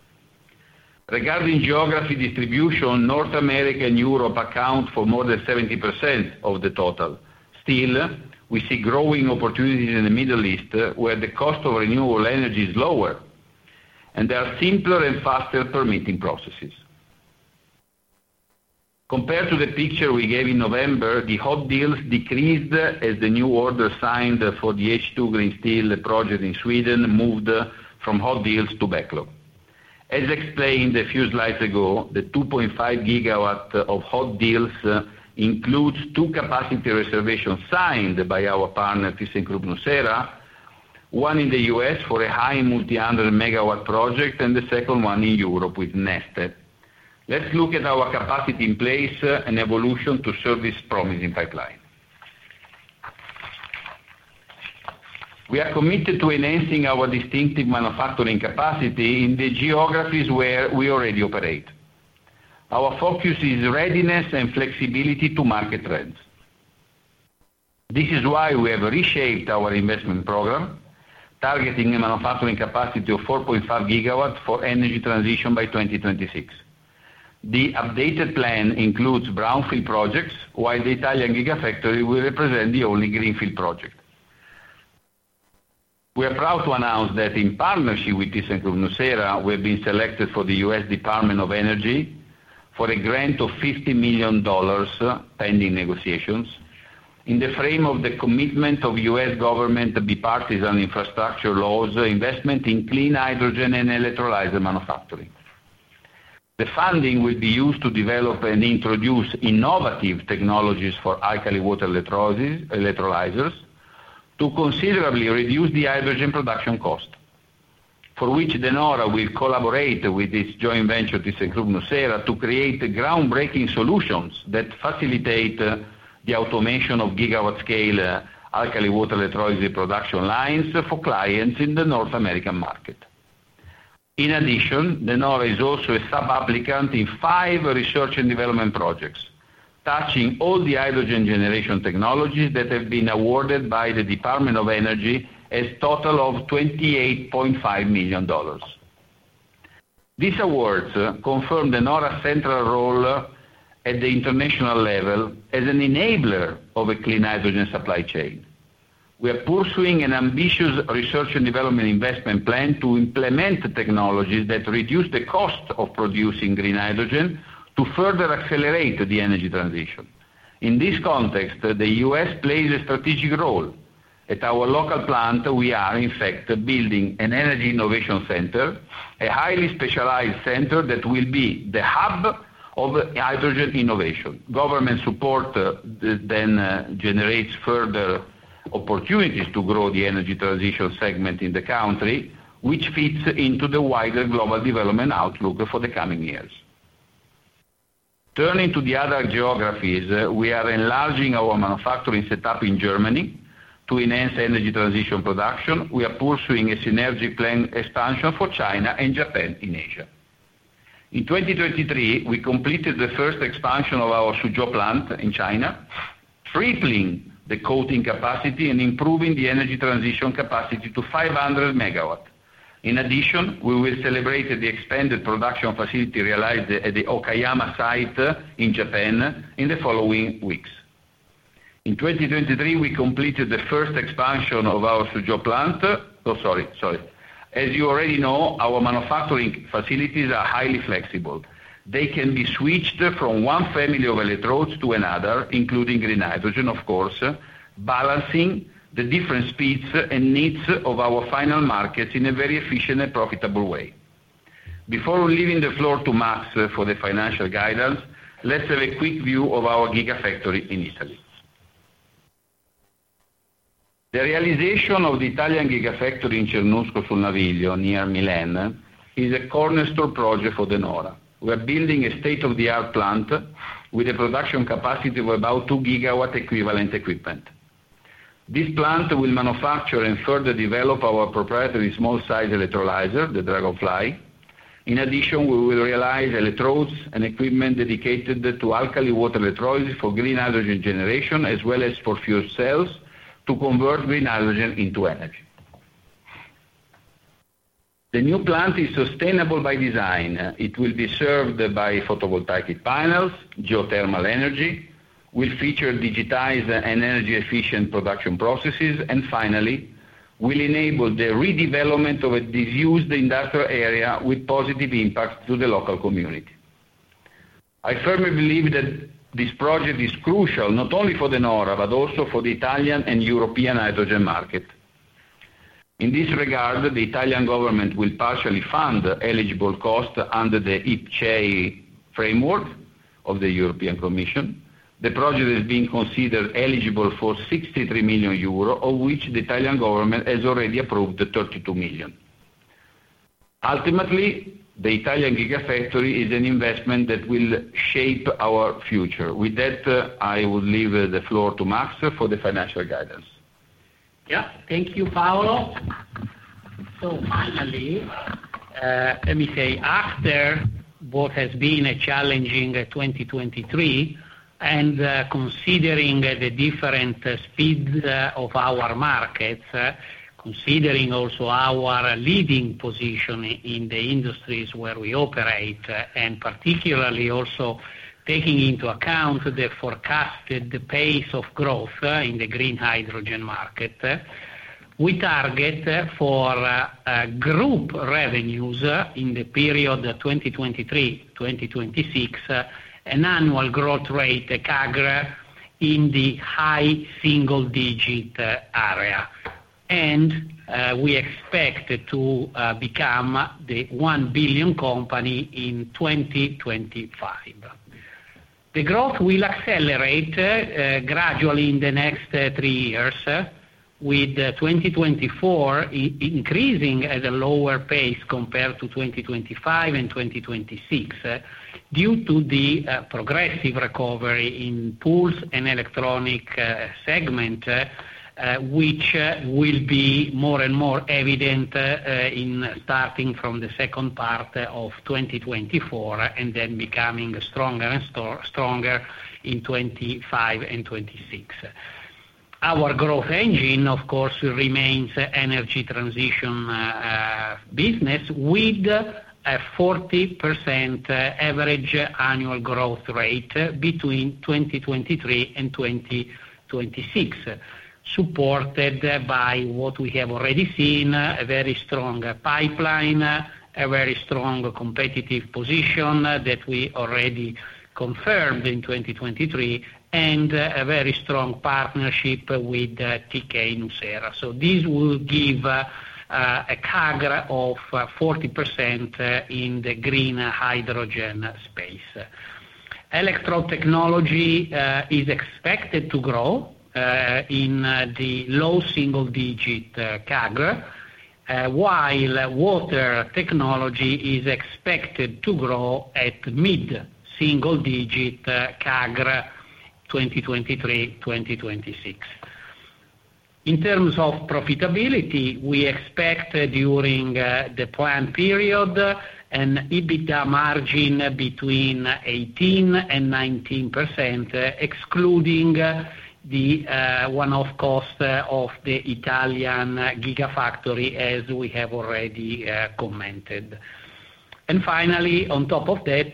Regarding geography distribution, North America and Europe account for more than 70% of the total. Still, we see growing opportunities in the Middle East, where the cost of renewable energy is lower, and there are simpler and faster permitting processes. Compared to the picture we gave in November, the hot deals decreased as the new order signed for the H2 Green Steel project in Sweden moved from hot deals to backlog. As explained a few slides ago, the 2.5 GW of hot deals includes two capacity reservations signed by our partner, thyssenkrupp nucera, one in the U.S. for a high multi-hundred-MW project, and the second one in Europe with Neste. Let's look at our capacity in place and evolution to serve this promising pipeline. We are committed to enhancing our distinctive manufacturing capacity in the geographies where we already operate. Our focus is readiness and flexibility to market trends. This is why we have reshaped our investment program, targeting a manufacturing capacity of 4.5 GW for energy transition by 2026. The updated plan includes brownfield projects, while the Italian gigafactory will represent the only greenfield project. We are proud to announce that, in partnership with thyssenkrupp nucera, we have been selected for the U.S. Department of Energy for a grant of $50 million pending negotiations in the frame of the commitment of U.S. government bipartisan infrastructure laws investment in clean hydrogen and electrolyzer manufacturing. The funding will be used to develop and introduce innovative technologies for alkaline water electrolyzers to considerably reduce the hydrogen production cost, for which De Nora will collaborate with this joint venture, thyssenkrupp nucera, to create groundbreaking solutions that facilitate the automation of gigawatt-scale alkaline water electrolysis production lines for clients in the North American market. In addition, De Nora is also a sub-applicant in five research and development projects, touching all the hydrogen generation technologies that have been awarded by the Department of Energy a total of $28.5 million. These awards confirm De Nora's central role at the international level as an enabler of a clean hydrogen supply chain. We are pursuing an ambitious research and development investment plan to implement technologies that reduce the cost of producing green hydrogen to further accelerate the energy transition. In this context, the U.S. plays a strategic role. At our local plant, we are, in fact, building an Energy Innovation Center, a highly specialized center that will be the hub of hydrogen innovation. Government support then generates further opportunities to grow the energy transition segment in the country, which fits into the wider global development outlook for the coming years. Turning to the other geographies, we are enlarging our manufacturing setup in Germany to enhance energy transition production. We are pursuing a synergic plan expansion for China and Japan in Asia. In 2023, we completed the first expansion of our Suzhou plant in China, tripling the coating capacity and improving the energy transition capacity to 500 MW. In addition, we will celebrate the expanded production facility realized at the Okayama site in Japan in the following weeks. Oh, sorry. Sorry. As you already know, our manufacturing facilities are highly flexible. They can be switched from one family of electrodes to another, including green hydrogen, of course, balancing the different speeds and needs of our final markets in a very efficient and profitable way. Before we leave the floor to Mass for the financial guidance, let's have a quick view of our Gigafactory in Italy. The realization of the Italian Gigafactory in Cernusco sul Naviglio, near Milan, is a cornerstone project for De Nora. We are building a state-of-the-art plant with a production capacity of about 2 GW equivalent equipment. This plant will manufacture and further develop our proprietary small-size electrolyzer, the Dragonfly. In addition, we will realize electrodes and equipment dedicated to alkaline water electrolysis for green hydrogen generation, as well as for fuel cells to convert green hydrogen into energy. The new plant is sustainable by design. It will be served by photovoltaic panels, geothermal energy, will feature digitized and energy-efficient production processes, and finally, will enable the redevelopment of a disused industrial area with positive impacts to the local community. I firmly believe that this project is crucial not only for De Nora but also for the Italian and European hydrogen market. In this regard, the Italian government will partially fund eligible costs under the IPCEI framework of the European Commission. The project is being considered eligible for 63 million euro, of which the Italian government has already approved 32 million. Ultimately, the Italian Gigafactory is an investment that will shape our future. With that, I would leave the floor to Mass for the financial guidance. Yeah. Thank you, Paolo. So finally, let me say, after what has been a challenging 2023 and considering the different speeds of our markets, considering also our leading position in the industries where we operate, and particularly also taking into account the forecasted pace of growth in the green hydrogen market, we target for group revenues in the period 2023-2026 an annual growth rate CAGR in the high single-digit area. And we expect to become the 1 billion company in 2025. The growth will accelerate gradually in the next three years, with 2024 increasing at a lower pace compared to 2025 and 2026 due to the progressive recovery in pools and electronic segment, which will be more and more evident starting from the second part of 2024 and then becoming stronger and stronger in 2025 and 2026. Our growth engine, of course, remains energy transition business with a 40% average annual growth rate between 2023 and 2026, supported by what we have already seen: a very strong pipeline, a very strong competitive position that we already confirmed in 2023, and a very strong partnership with thyssenkrupp nucera. So this will give a CAGR of 40% in the green hydrogen space. Electrode technology is expected to grow in the low single-digit CAGR, while water technology is expected to grow at mid-single-digit CAGR 2023-2026. In terms of profitability, we expect during the planned period an EBITDA margin between 18% and 19%, excluding the one-off cost of the Italian Gigafactory, as we have already commented. Finally, on top of that,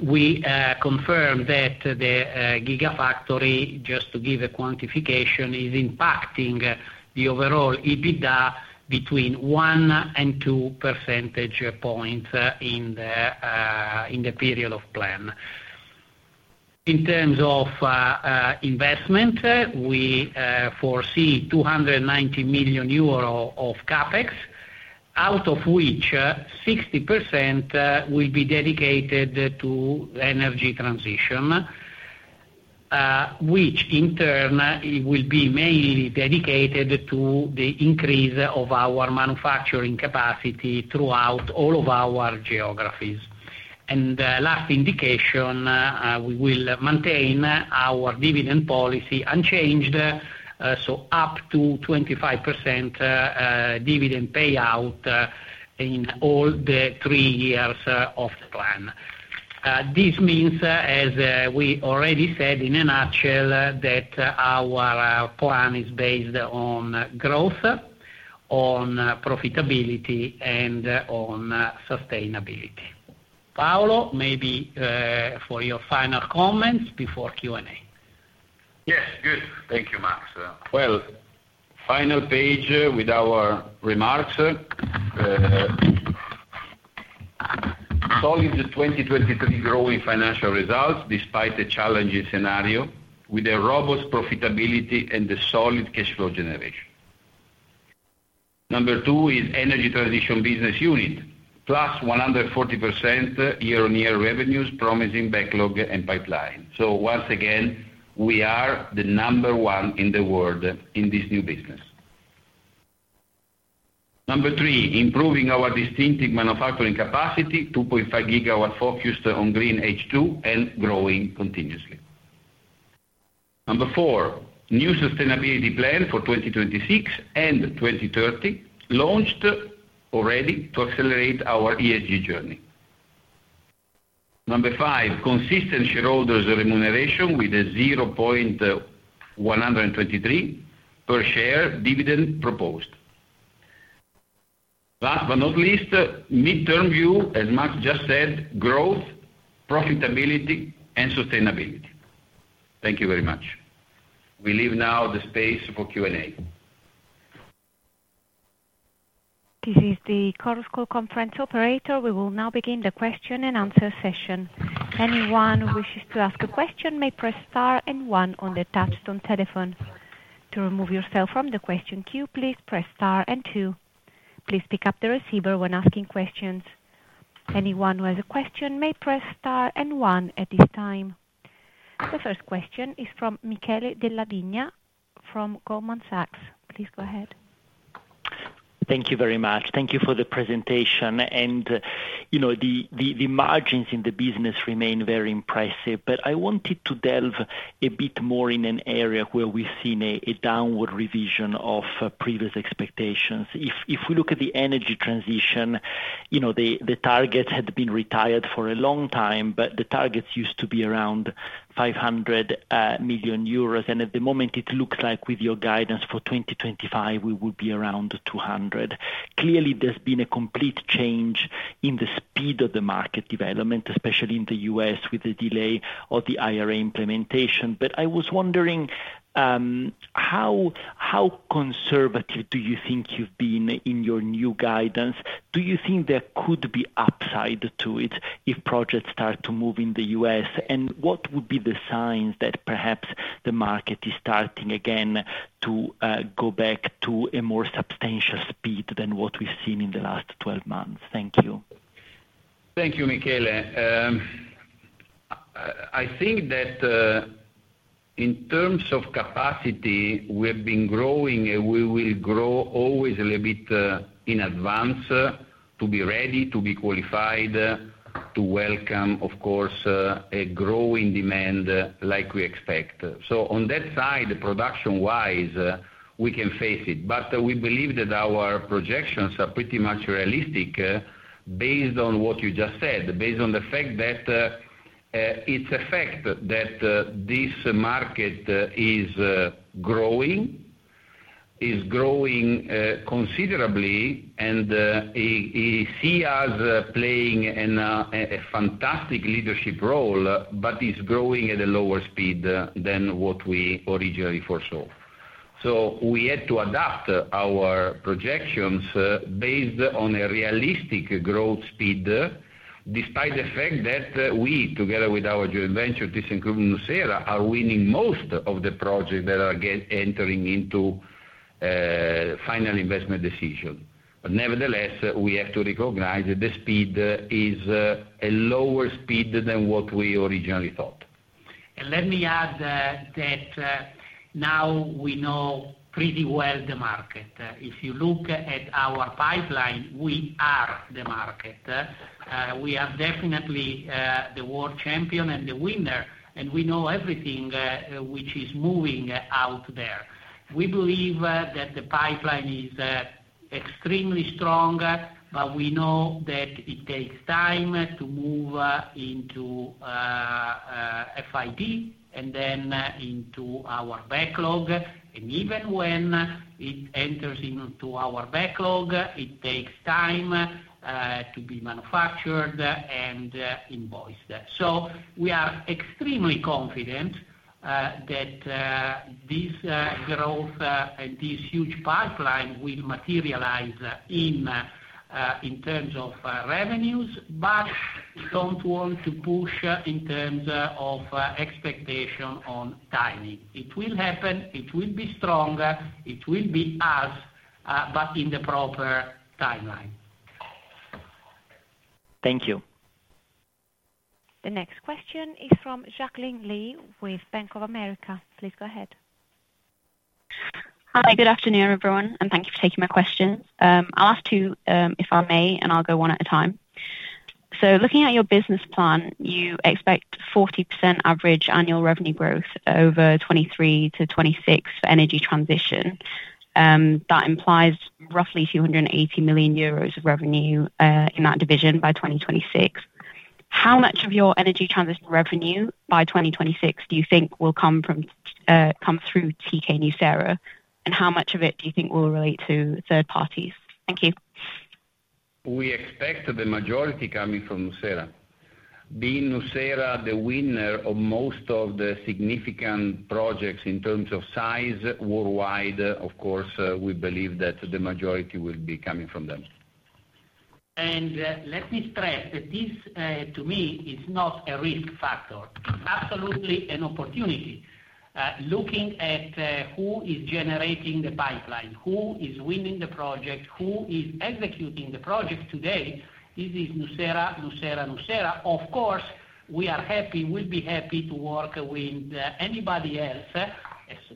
we confirm that the Gigafactory, just to give a quantification, is impacting the overall EBITDA between 1 and 2 percentage points in the period of plan. In terms of investment, we foresee 290 million euro of CapEx, out of which 60% will be dedicated to energy transition, which, in turn, will be mainly dedicated to the increase of our manufacturing capacity throughout all of our geographies. Last indication, we will maintain our dividend policy unchanged, so up to 25% dividend payout in all the three years of the plan. This means, as we already said in a nutshell, that our plan is based on growth, on profitability, and on sustainability. Paolo, maybe for your final comments before Q&A.
Yes. Good. Thank you, Mass. Well, final page with our remarks. Solid 2023 growing financial results despite a challenging scenario with a robust profitability and solid cash flow generation. Number two is energy transition business unit, +140% year-on-year revenues, promising backlog and pipeline. So once again, we are the number one in the world in this new business. Number three, improving our distinctive manufacturing capacity, 2.5 GW focused on green H2 and growing continuously. Number four, new sustainability plan for 2026 and 2030, launched already to accelerate our ESG journey. Number five, consistent shareholders' remuneration with a 0.123 per share dividend proposed. Last but not least, mid-term view, as Mass just said, growth, profitability, and sustainability. Thank you very much. We leave now the space for Q&A.
This is the Chorus Call Anyone who wishes to ask a question may press star and one on the touch-tone telephone. To remove yourself from the question queue, please press star and two. Please pick up the receiver when asking questions. Anyone who has a question may press star and one at this time. The first question is from Michele Della Vigna from Goldman Sachs. Please go ahead.
Thank you very much. Thank you for the presentation. The margins in the business remain very impressive. I wanted to delve a bit more in an area where we've seen a downward revision of previous expectations. If we look at the energy transition, the targets had been retired for a long time, but the targets used to be around 500 million euros. And at the moment, it looks like, with your guidance, for 2025, we would be around 200 million.
Clearly, there's been a complete change in the speed of the market development, especially in the U.S. with the delay of the IRA implementation. But I was wondering, how conservative do you think you've been in your new guidance? Do you think there could be upside to it if projects start to move in the U.S.? And what would be the signs that perhaps the market is starting again to go back to a more substantial speed than what we've seen in the last 12 months?
Thank you. Thank you, Michele. I think that in terms of capacity, we have been growing, and we will grow always a little bit in advance to be ready, to be qualified, to welcome, of course, a growing demand like we expect. So on that side, production-wise, we can face it. But we believe that our projections are pretty much realistic based on what you just said, based on the fact that it's a fact that this market is growing, is growing considerably, and it sees us playing a fantastic leadership role, but it's growing at a lower speed than what we originally foresaw. So we had to adapt our projections based on a realistic growth speed despite the fact that we, together with our joint venture, thyssenkrupp nucera, are winning most of the projects that are entering into final investment decisions. But nevertheless, we have to recognize that the speed is a lower speed than what we originally thought.
And let me add that now we know pretty well the market. If you look at our pipeline, we are the market. We are definitely the world champion and the winner, and we know everything which is moving out there. We believe that the pipeline is extremely strong, but we know that it takes time to move into FID and then into our backlog. And even when it enters into our backlog, it takes time to be manufactured and invoiced. So we are extremely confident that this growth and this huge pipeline will materialize in terms of revenues, but don't want to push in terms of expectation on timing. It will happen. It will be stronger. It will be us, but in the proper timeline.
Thank you. The next question is from Jacqueline Lee with Bank of America. Please go ahead. Hi.
Good afternoon, everyone, and thank you for taking my questions. I'll ask two, if I may, and I'll go one at a time. So looking at your business plan, you expect 40% average annual revenue growth over 2023-2026 for energy transition. That implies roughly 280 million euros of revenue in that division by 2026. How much of your energy transition revenue by 2026 do you think will come through thyssenkrupp nucera, and how much of it do you think will relate to third parties?
Thank you. We expect the majority coming from nucera. Being nucera the winner of most of the significant projects in terms of size worldwide, of course, we believe that the majority will be coming from them.
And let me stress that this, to me, is not a risk factor. It's absolutely an opportunity. Looking at who is generating the pipeline, who is winning the project, who is executing the project today, this is nucera, nucera, nucera. Of course, we are happy. We'll be happy to work with anybody else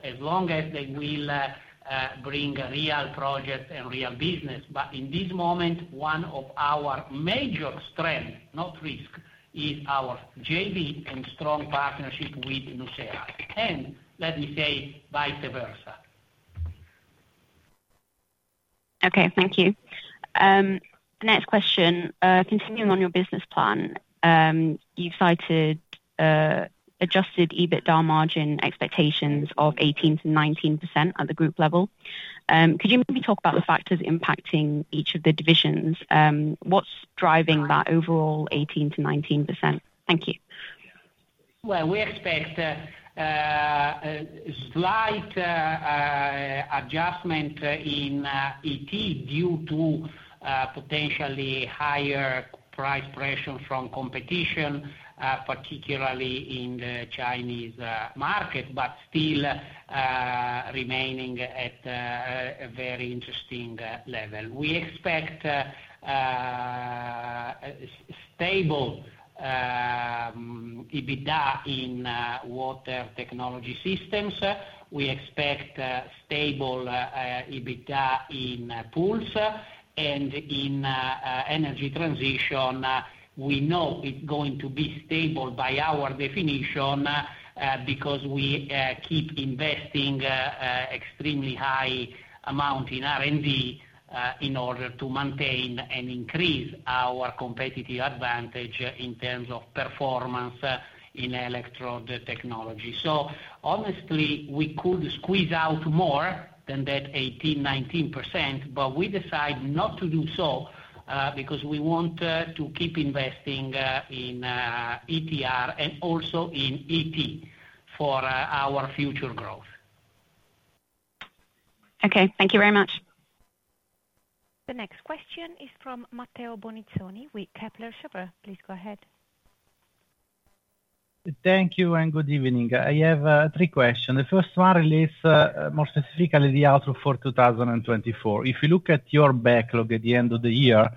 as long as they will bring real projects and real business. But in this moment, one of our major strengths, not risk, is our JV and strong partnership with Nucera. And let me say vice versa.
Okay. Thank you. Next question. Continuing on your business plan, you've cited adjusted EBITDA margin expectations of 18%-19% at the group level. Could you maybe talk about the factors impacting each of the divisions? What's driving that overall 18%-19%? Thank you.
Well, we expect a slight adjustment in ET due to potentially higher price pressure from competition, particularly in the Chinese market, but still remaining at a very interesting level. We expect stable EBITDA in water technology systems. We expect stable EBITDA in pools. In energy transition, we know it's going to be stable by our definition because we keep investing an extremely high amount in R&D in order to maintain and increase our competitive advantage in terms of performance in electrode technology. So honestly, we could squeeze out more than that 18% to 19%, but we decide not to do so because we want to keep investing in ETR and also in ET for our future growth.
Okay. Thank you very much.
The next question is from Matteo Bonizzoni with Kepler Cheuvreux. Please go ahead.
Thank you and good evening. I have three questions. The first one is more specifically the outlook for 2024. If you look at your backlog at the end of the year,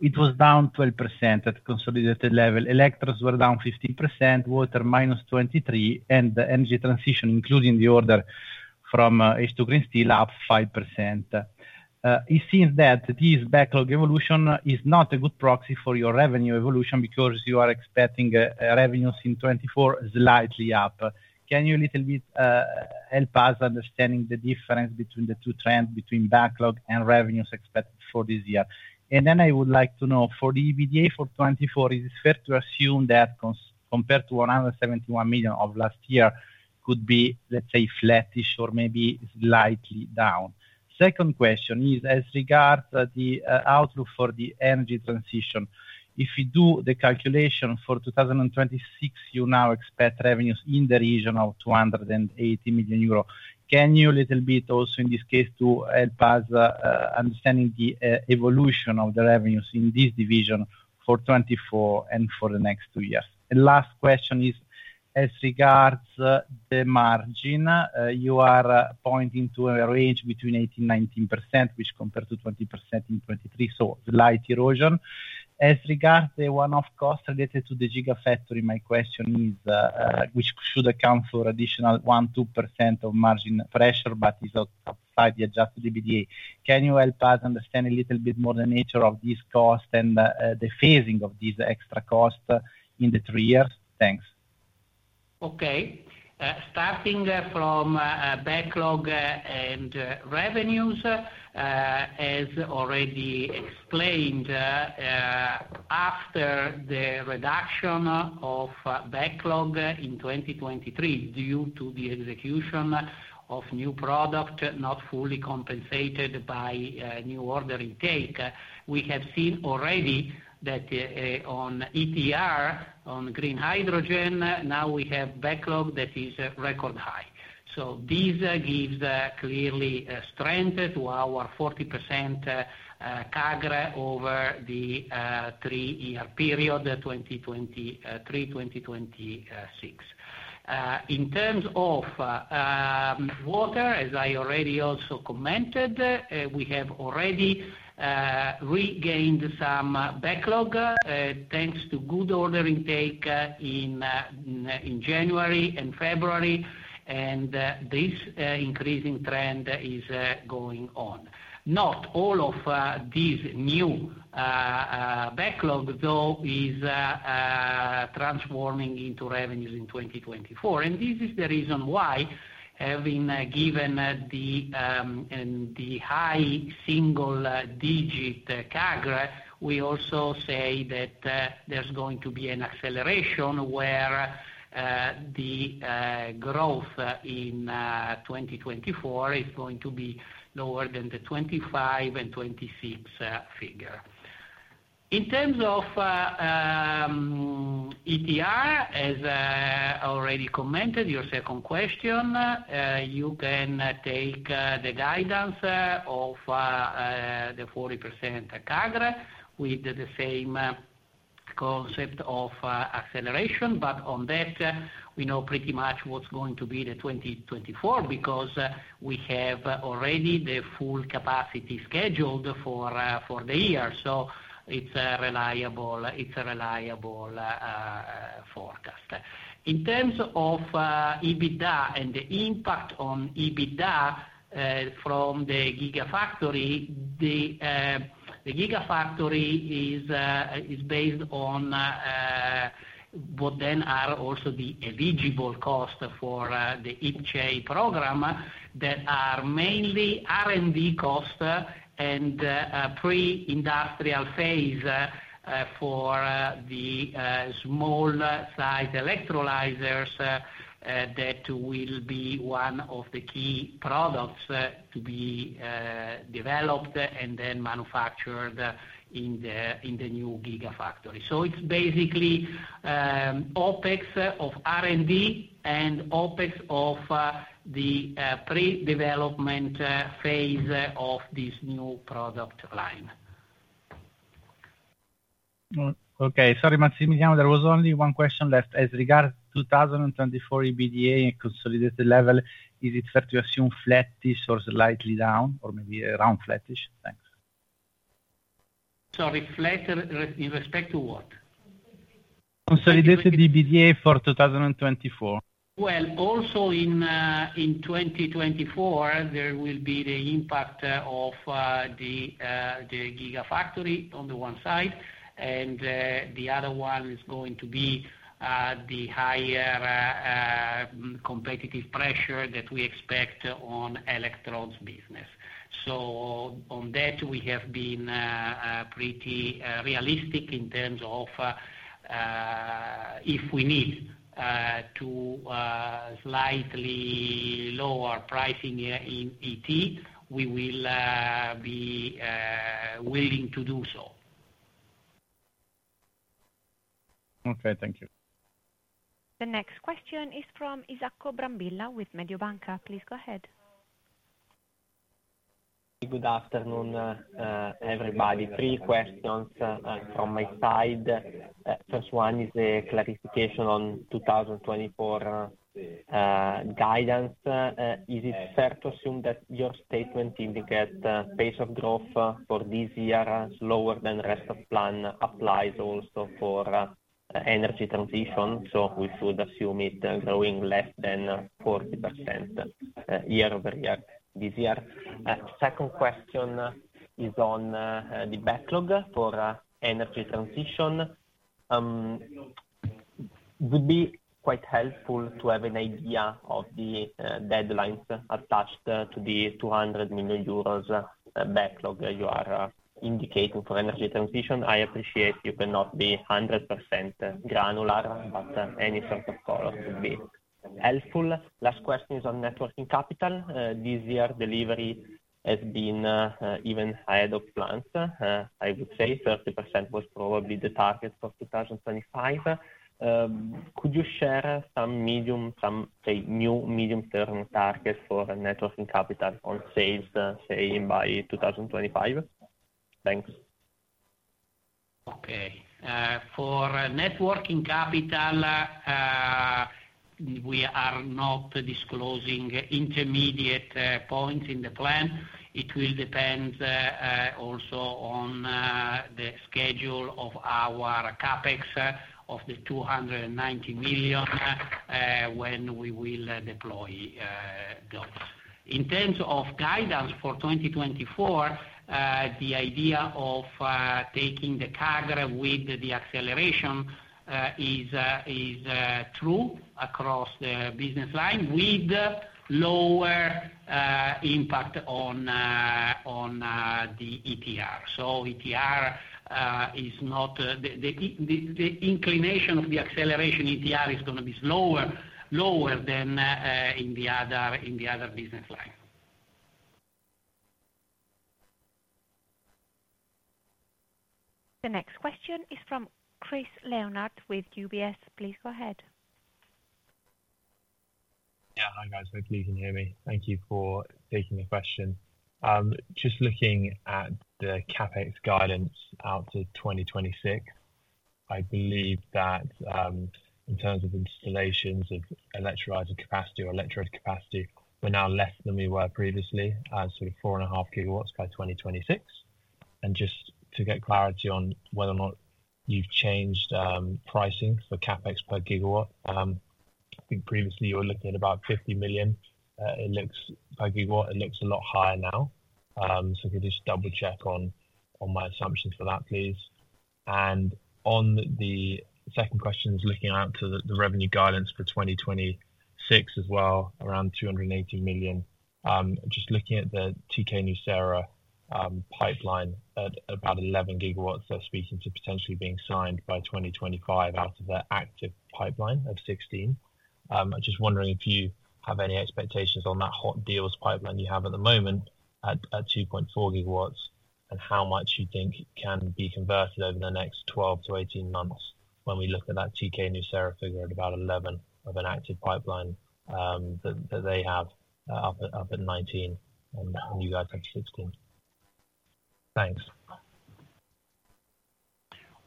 it was down 12% at consolidated level. Electrons were down 15%, water minus 23%, and energy transition, including the order from H2 Green Steel, up 5%. It seems that this backlog evolution is not a good proxy for your revenue evolution because you are expecting revenues in 2024 slightly up. Can you a little bit help us understanding the difference between the two trends, between backlog and revenues expected for this year? And then I would like to know, for the EBITDA for 2024, is it fair to assume that compared to 171 million of last year, could be, let's say, flattish or maybe slightly down? Second question is as regards the outlook for the energy transition. If you do the calculation for 2026, you now expect revenues in the region of 280 million euro. Can you a little bit also, in this case, to help us understanding the evolution of the revenues in this division for 2024 and for the next two years? And last question is as regards the margin. You are pointing to a range between 18%-19%, which compared to 20% in 2023, so slight erosion. As regards the one-off cost related to the Gigafactory, my question is, which should account for additional 1%-2% of margin pressure but is outside the adjusted EBITDA. Can you help us understand a little bit more the nature of this cost and the phasing of these extra costs in the three years? Thanks. Okay.
Starting from backlog and revenues, as already explained, after the reduction of backlog in 2023 due to the execution of new product not fully compensated by new order intake, we have seen already that on ETR, on green hydrogen, now we have backlog that is record high. So this gives clearly strength to our 40% CAGR over the three-year period, 2023, 2026. In terms of water, as I already also commented, we have already regained some backlog thanks to good order intake in January and February. This increasing trend is going on. Not all of this new backlog, though, is transforming into revenues in 2024. This is the reason why, having given the high single-digit CAGR, we also say that there's going to be an acceleration where the growth in 2024 is going to be lower than the 2025 and 2026 figure. In terms of ETR, as already commented, your second question, you can take the guidance of the 40% CAGR with the same concept of acceleration. But on that, we know pretty much what's going to be the 2024 because we have already the full capacity scheduled for the year. So it's a reliable forecast. In terms of EBITDA and the impact on EBITDA from the Gigafactory, the Gigafactory is based on what then are also the eligible costs for the IPCEI program that are mainly R&D costs and pre-industrial phase for the small-sized electrolyzers that will be one of the key products to be developed and then manufactured in the new Gigafactory. So it's basically OpEx of R&D and OpEx of the pre-development phase of this new product line.
Okay. Sorry, Massimiliano. There was only one question left. As regards to 2024 EBITDA at consolidated level, is it fair to assume flattish or slightly down or maybe around flattish? Thanks. Sorry. Flattish in respect to what? Consolidated EBITDA for 2024. Well, also in 2024, there will be the impact of the Gigafactory on the one side. The other one is going to be the higher competitive pressure that we expect on electrodes business. So on that, we have been pretty realistic in terms of if we need to slightly lower pricing in ET, we will be willing to do so.
Okay. Thank you.
The next question is from Isacco Brambilla with Mediobanca. Please go ahead.
Good afternoon, everybody. Three questions from my side. First one is a clarification on 2024 guidance. Is it fair to assume that your statement indicates pace of growth for this year lower than rest of plan applies also for energy transition? So we should assume it's growing less than 40% year-over-year this year. Second question is on the backlog for energy transition. It would be quite helpful to have an idea of the deadlines attached to the 200 million euros backlog you are indicating for energy transition. I appreciate you cannot be 100% granular, but any sort of color would be helpful. Last question is on net working capital. This year, delivery has been even ahead of plans, I would say. 30% was probably the target for 2025. Could you share some new medium-term targets for net working capital on sales, say, by 2025?
Thanks. Okay. For net working capital, we are not disclosing intermediate points in the plan. It will depend also on the schedule of our Capex of the 290 million when we will deploy those. In terms of guidance for 2024, the idea of taking the CAGR with the acceleration is true across the business line with lower impact on the ETR. So ETR is not the inclination of the acceleration ETR is going to be lower than in the other business line.
The next question is from Chris Leonard with UBS. Please go ahead.
Yeah. Hi, guys. Hopefully, you can hear me. Thank you for taking the question. Just looking at the CapEx guidance out to 2026, I believe that in terms of installations of electrode capacity or electrode capacity, we're now less than we were previously, sort of 4.5 GW by 2026. And just to get clarity on whether or not you've changed pricing for CapEx per gigawatt, I think previously, you were looking at about 50 million. It looks per gigawatt. It looks a lot higher now. So could you just double-check on my assumptions for that, please? And on the second question, looking out to the revenue guidance for 2026 as well, around 280 million, just looking at the thyssenkrupp nucera pipeline at about 11 GW, they're speaking to potentially being signed by 2025 out of their active pipeline of 16 GW. I'm just wondering if you have any expectations on that hot deals pipeline you have at the moment at 2.4 GW and how much you think can be converted over the next 12-18 months when we look at that thyssenkrupp nucera figure at about 11 GW of an active pipeline that they have up at 19 GW and you guys have 16 GW.
Thanks.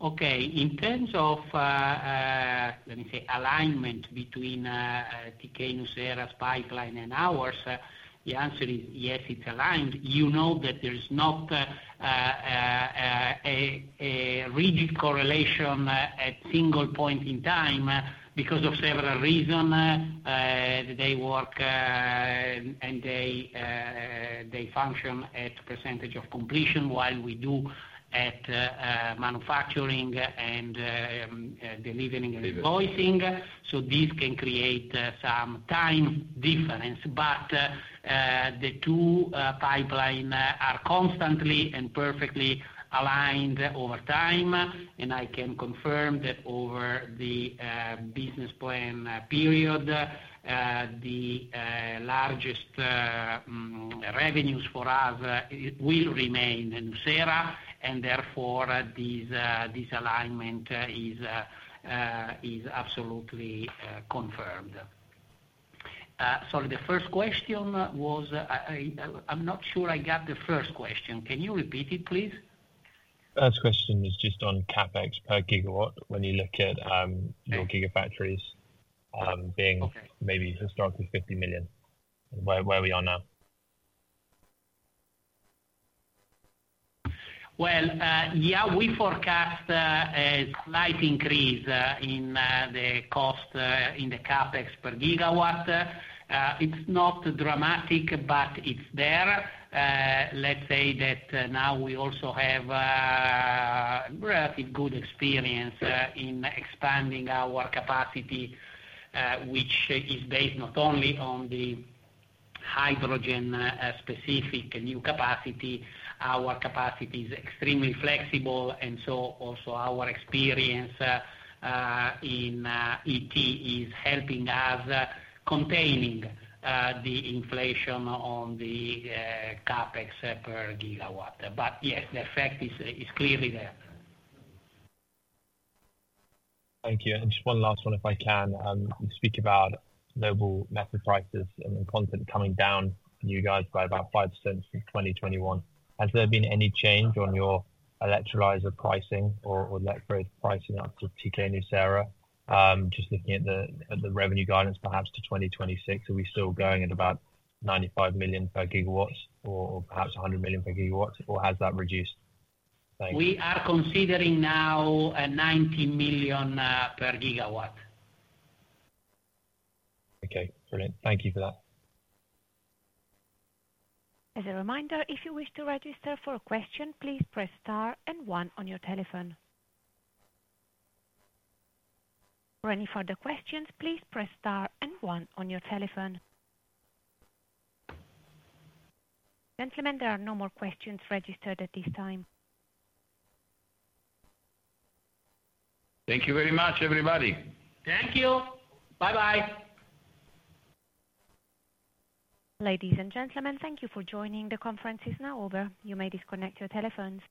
Okay. In terms of, let me say, alignment between thyssenkrupp nucera's pipeline and ours, the answer is yes, it's aligned. You know that there's not a rigid correlation at single point in time because of several reasons. They work and they function at percentage of completion while we do at manufacturing and delivering and invoicing. This can create some time difference. The two pipelines are constantly and perfectly aligned over time. I can confirm that over the business plan period, the largest revenues for us will remain Nucera. Therefore, this alignment is absolutely confirmed. Sorry. The first question was I'm not sure I got the first question. Can you repeat it, please?
Last question is just on CapEx per gigawatt when you look at your gigafactories being maybe historically 50 million and where we are now.
Well, yeah, we forecast a slight increase in the cost in the CapEx per gigawatt. It's not dramatic, but it's there. Let's say that now we also have relatively good experience in expanding our capacity, which is based not only on the hydrogen-specific new capacity. Our capacity is extremely flexible. And so also, our experience in ET is helping us contain the inflation on the CapEx per gigawatt. But yes, the effect is clearly there.
Thank you. And just one last one, if I can. You speak about global method prices and content coming down for you guys by about 5% from 2021. Has there been any change on your electrolyzer pricing or electrode pricing up to thyssenkrupp nucera? Just looking at the revenue guidance, perhaps to 2026, are we still going at about 95 million per gigawatts or perhaps 100 million per gigawatts, or has that reduced?
Thank you. We are considering now 90 million per gigawatt.
Okay. Brilliant. Thank you for that.
As a reminder, if you wish to register for a question, please press star and one on your telephone. For any further questions, please press star and one on your telephone. Gentlemen, there are no more questions registered at this time.
Thank you very much, everybody.
Thank you. Bye-bye.
Ladies and gentlemen, thank you for joining. The conference is now over. You may disconnect your telephones.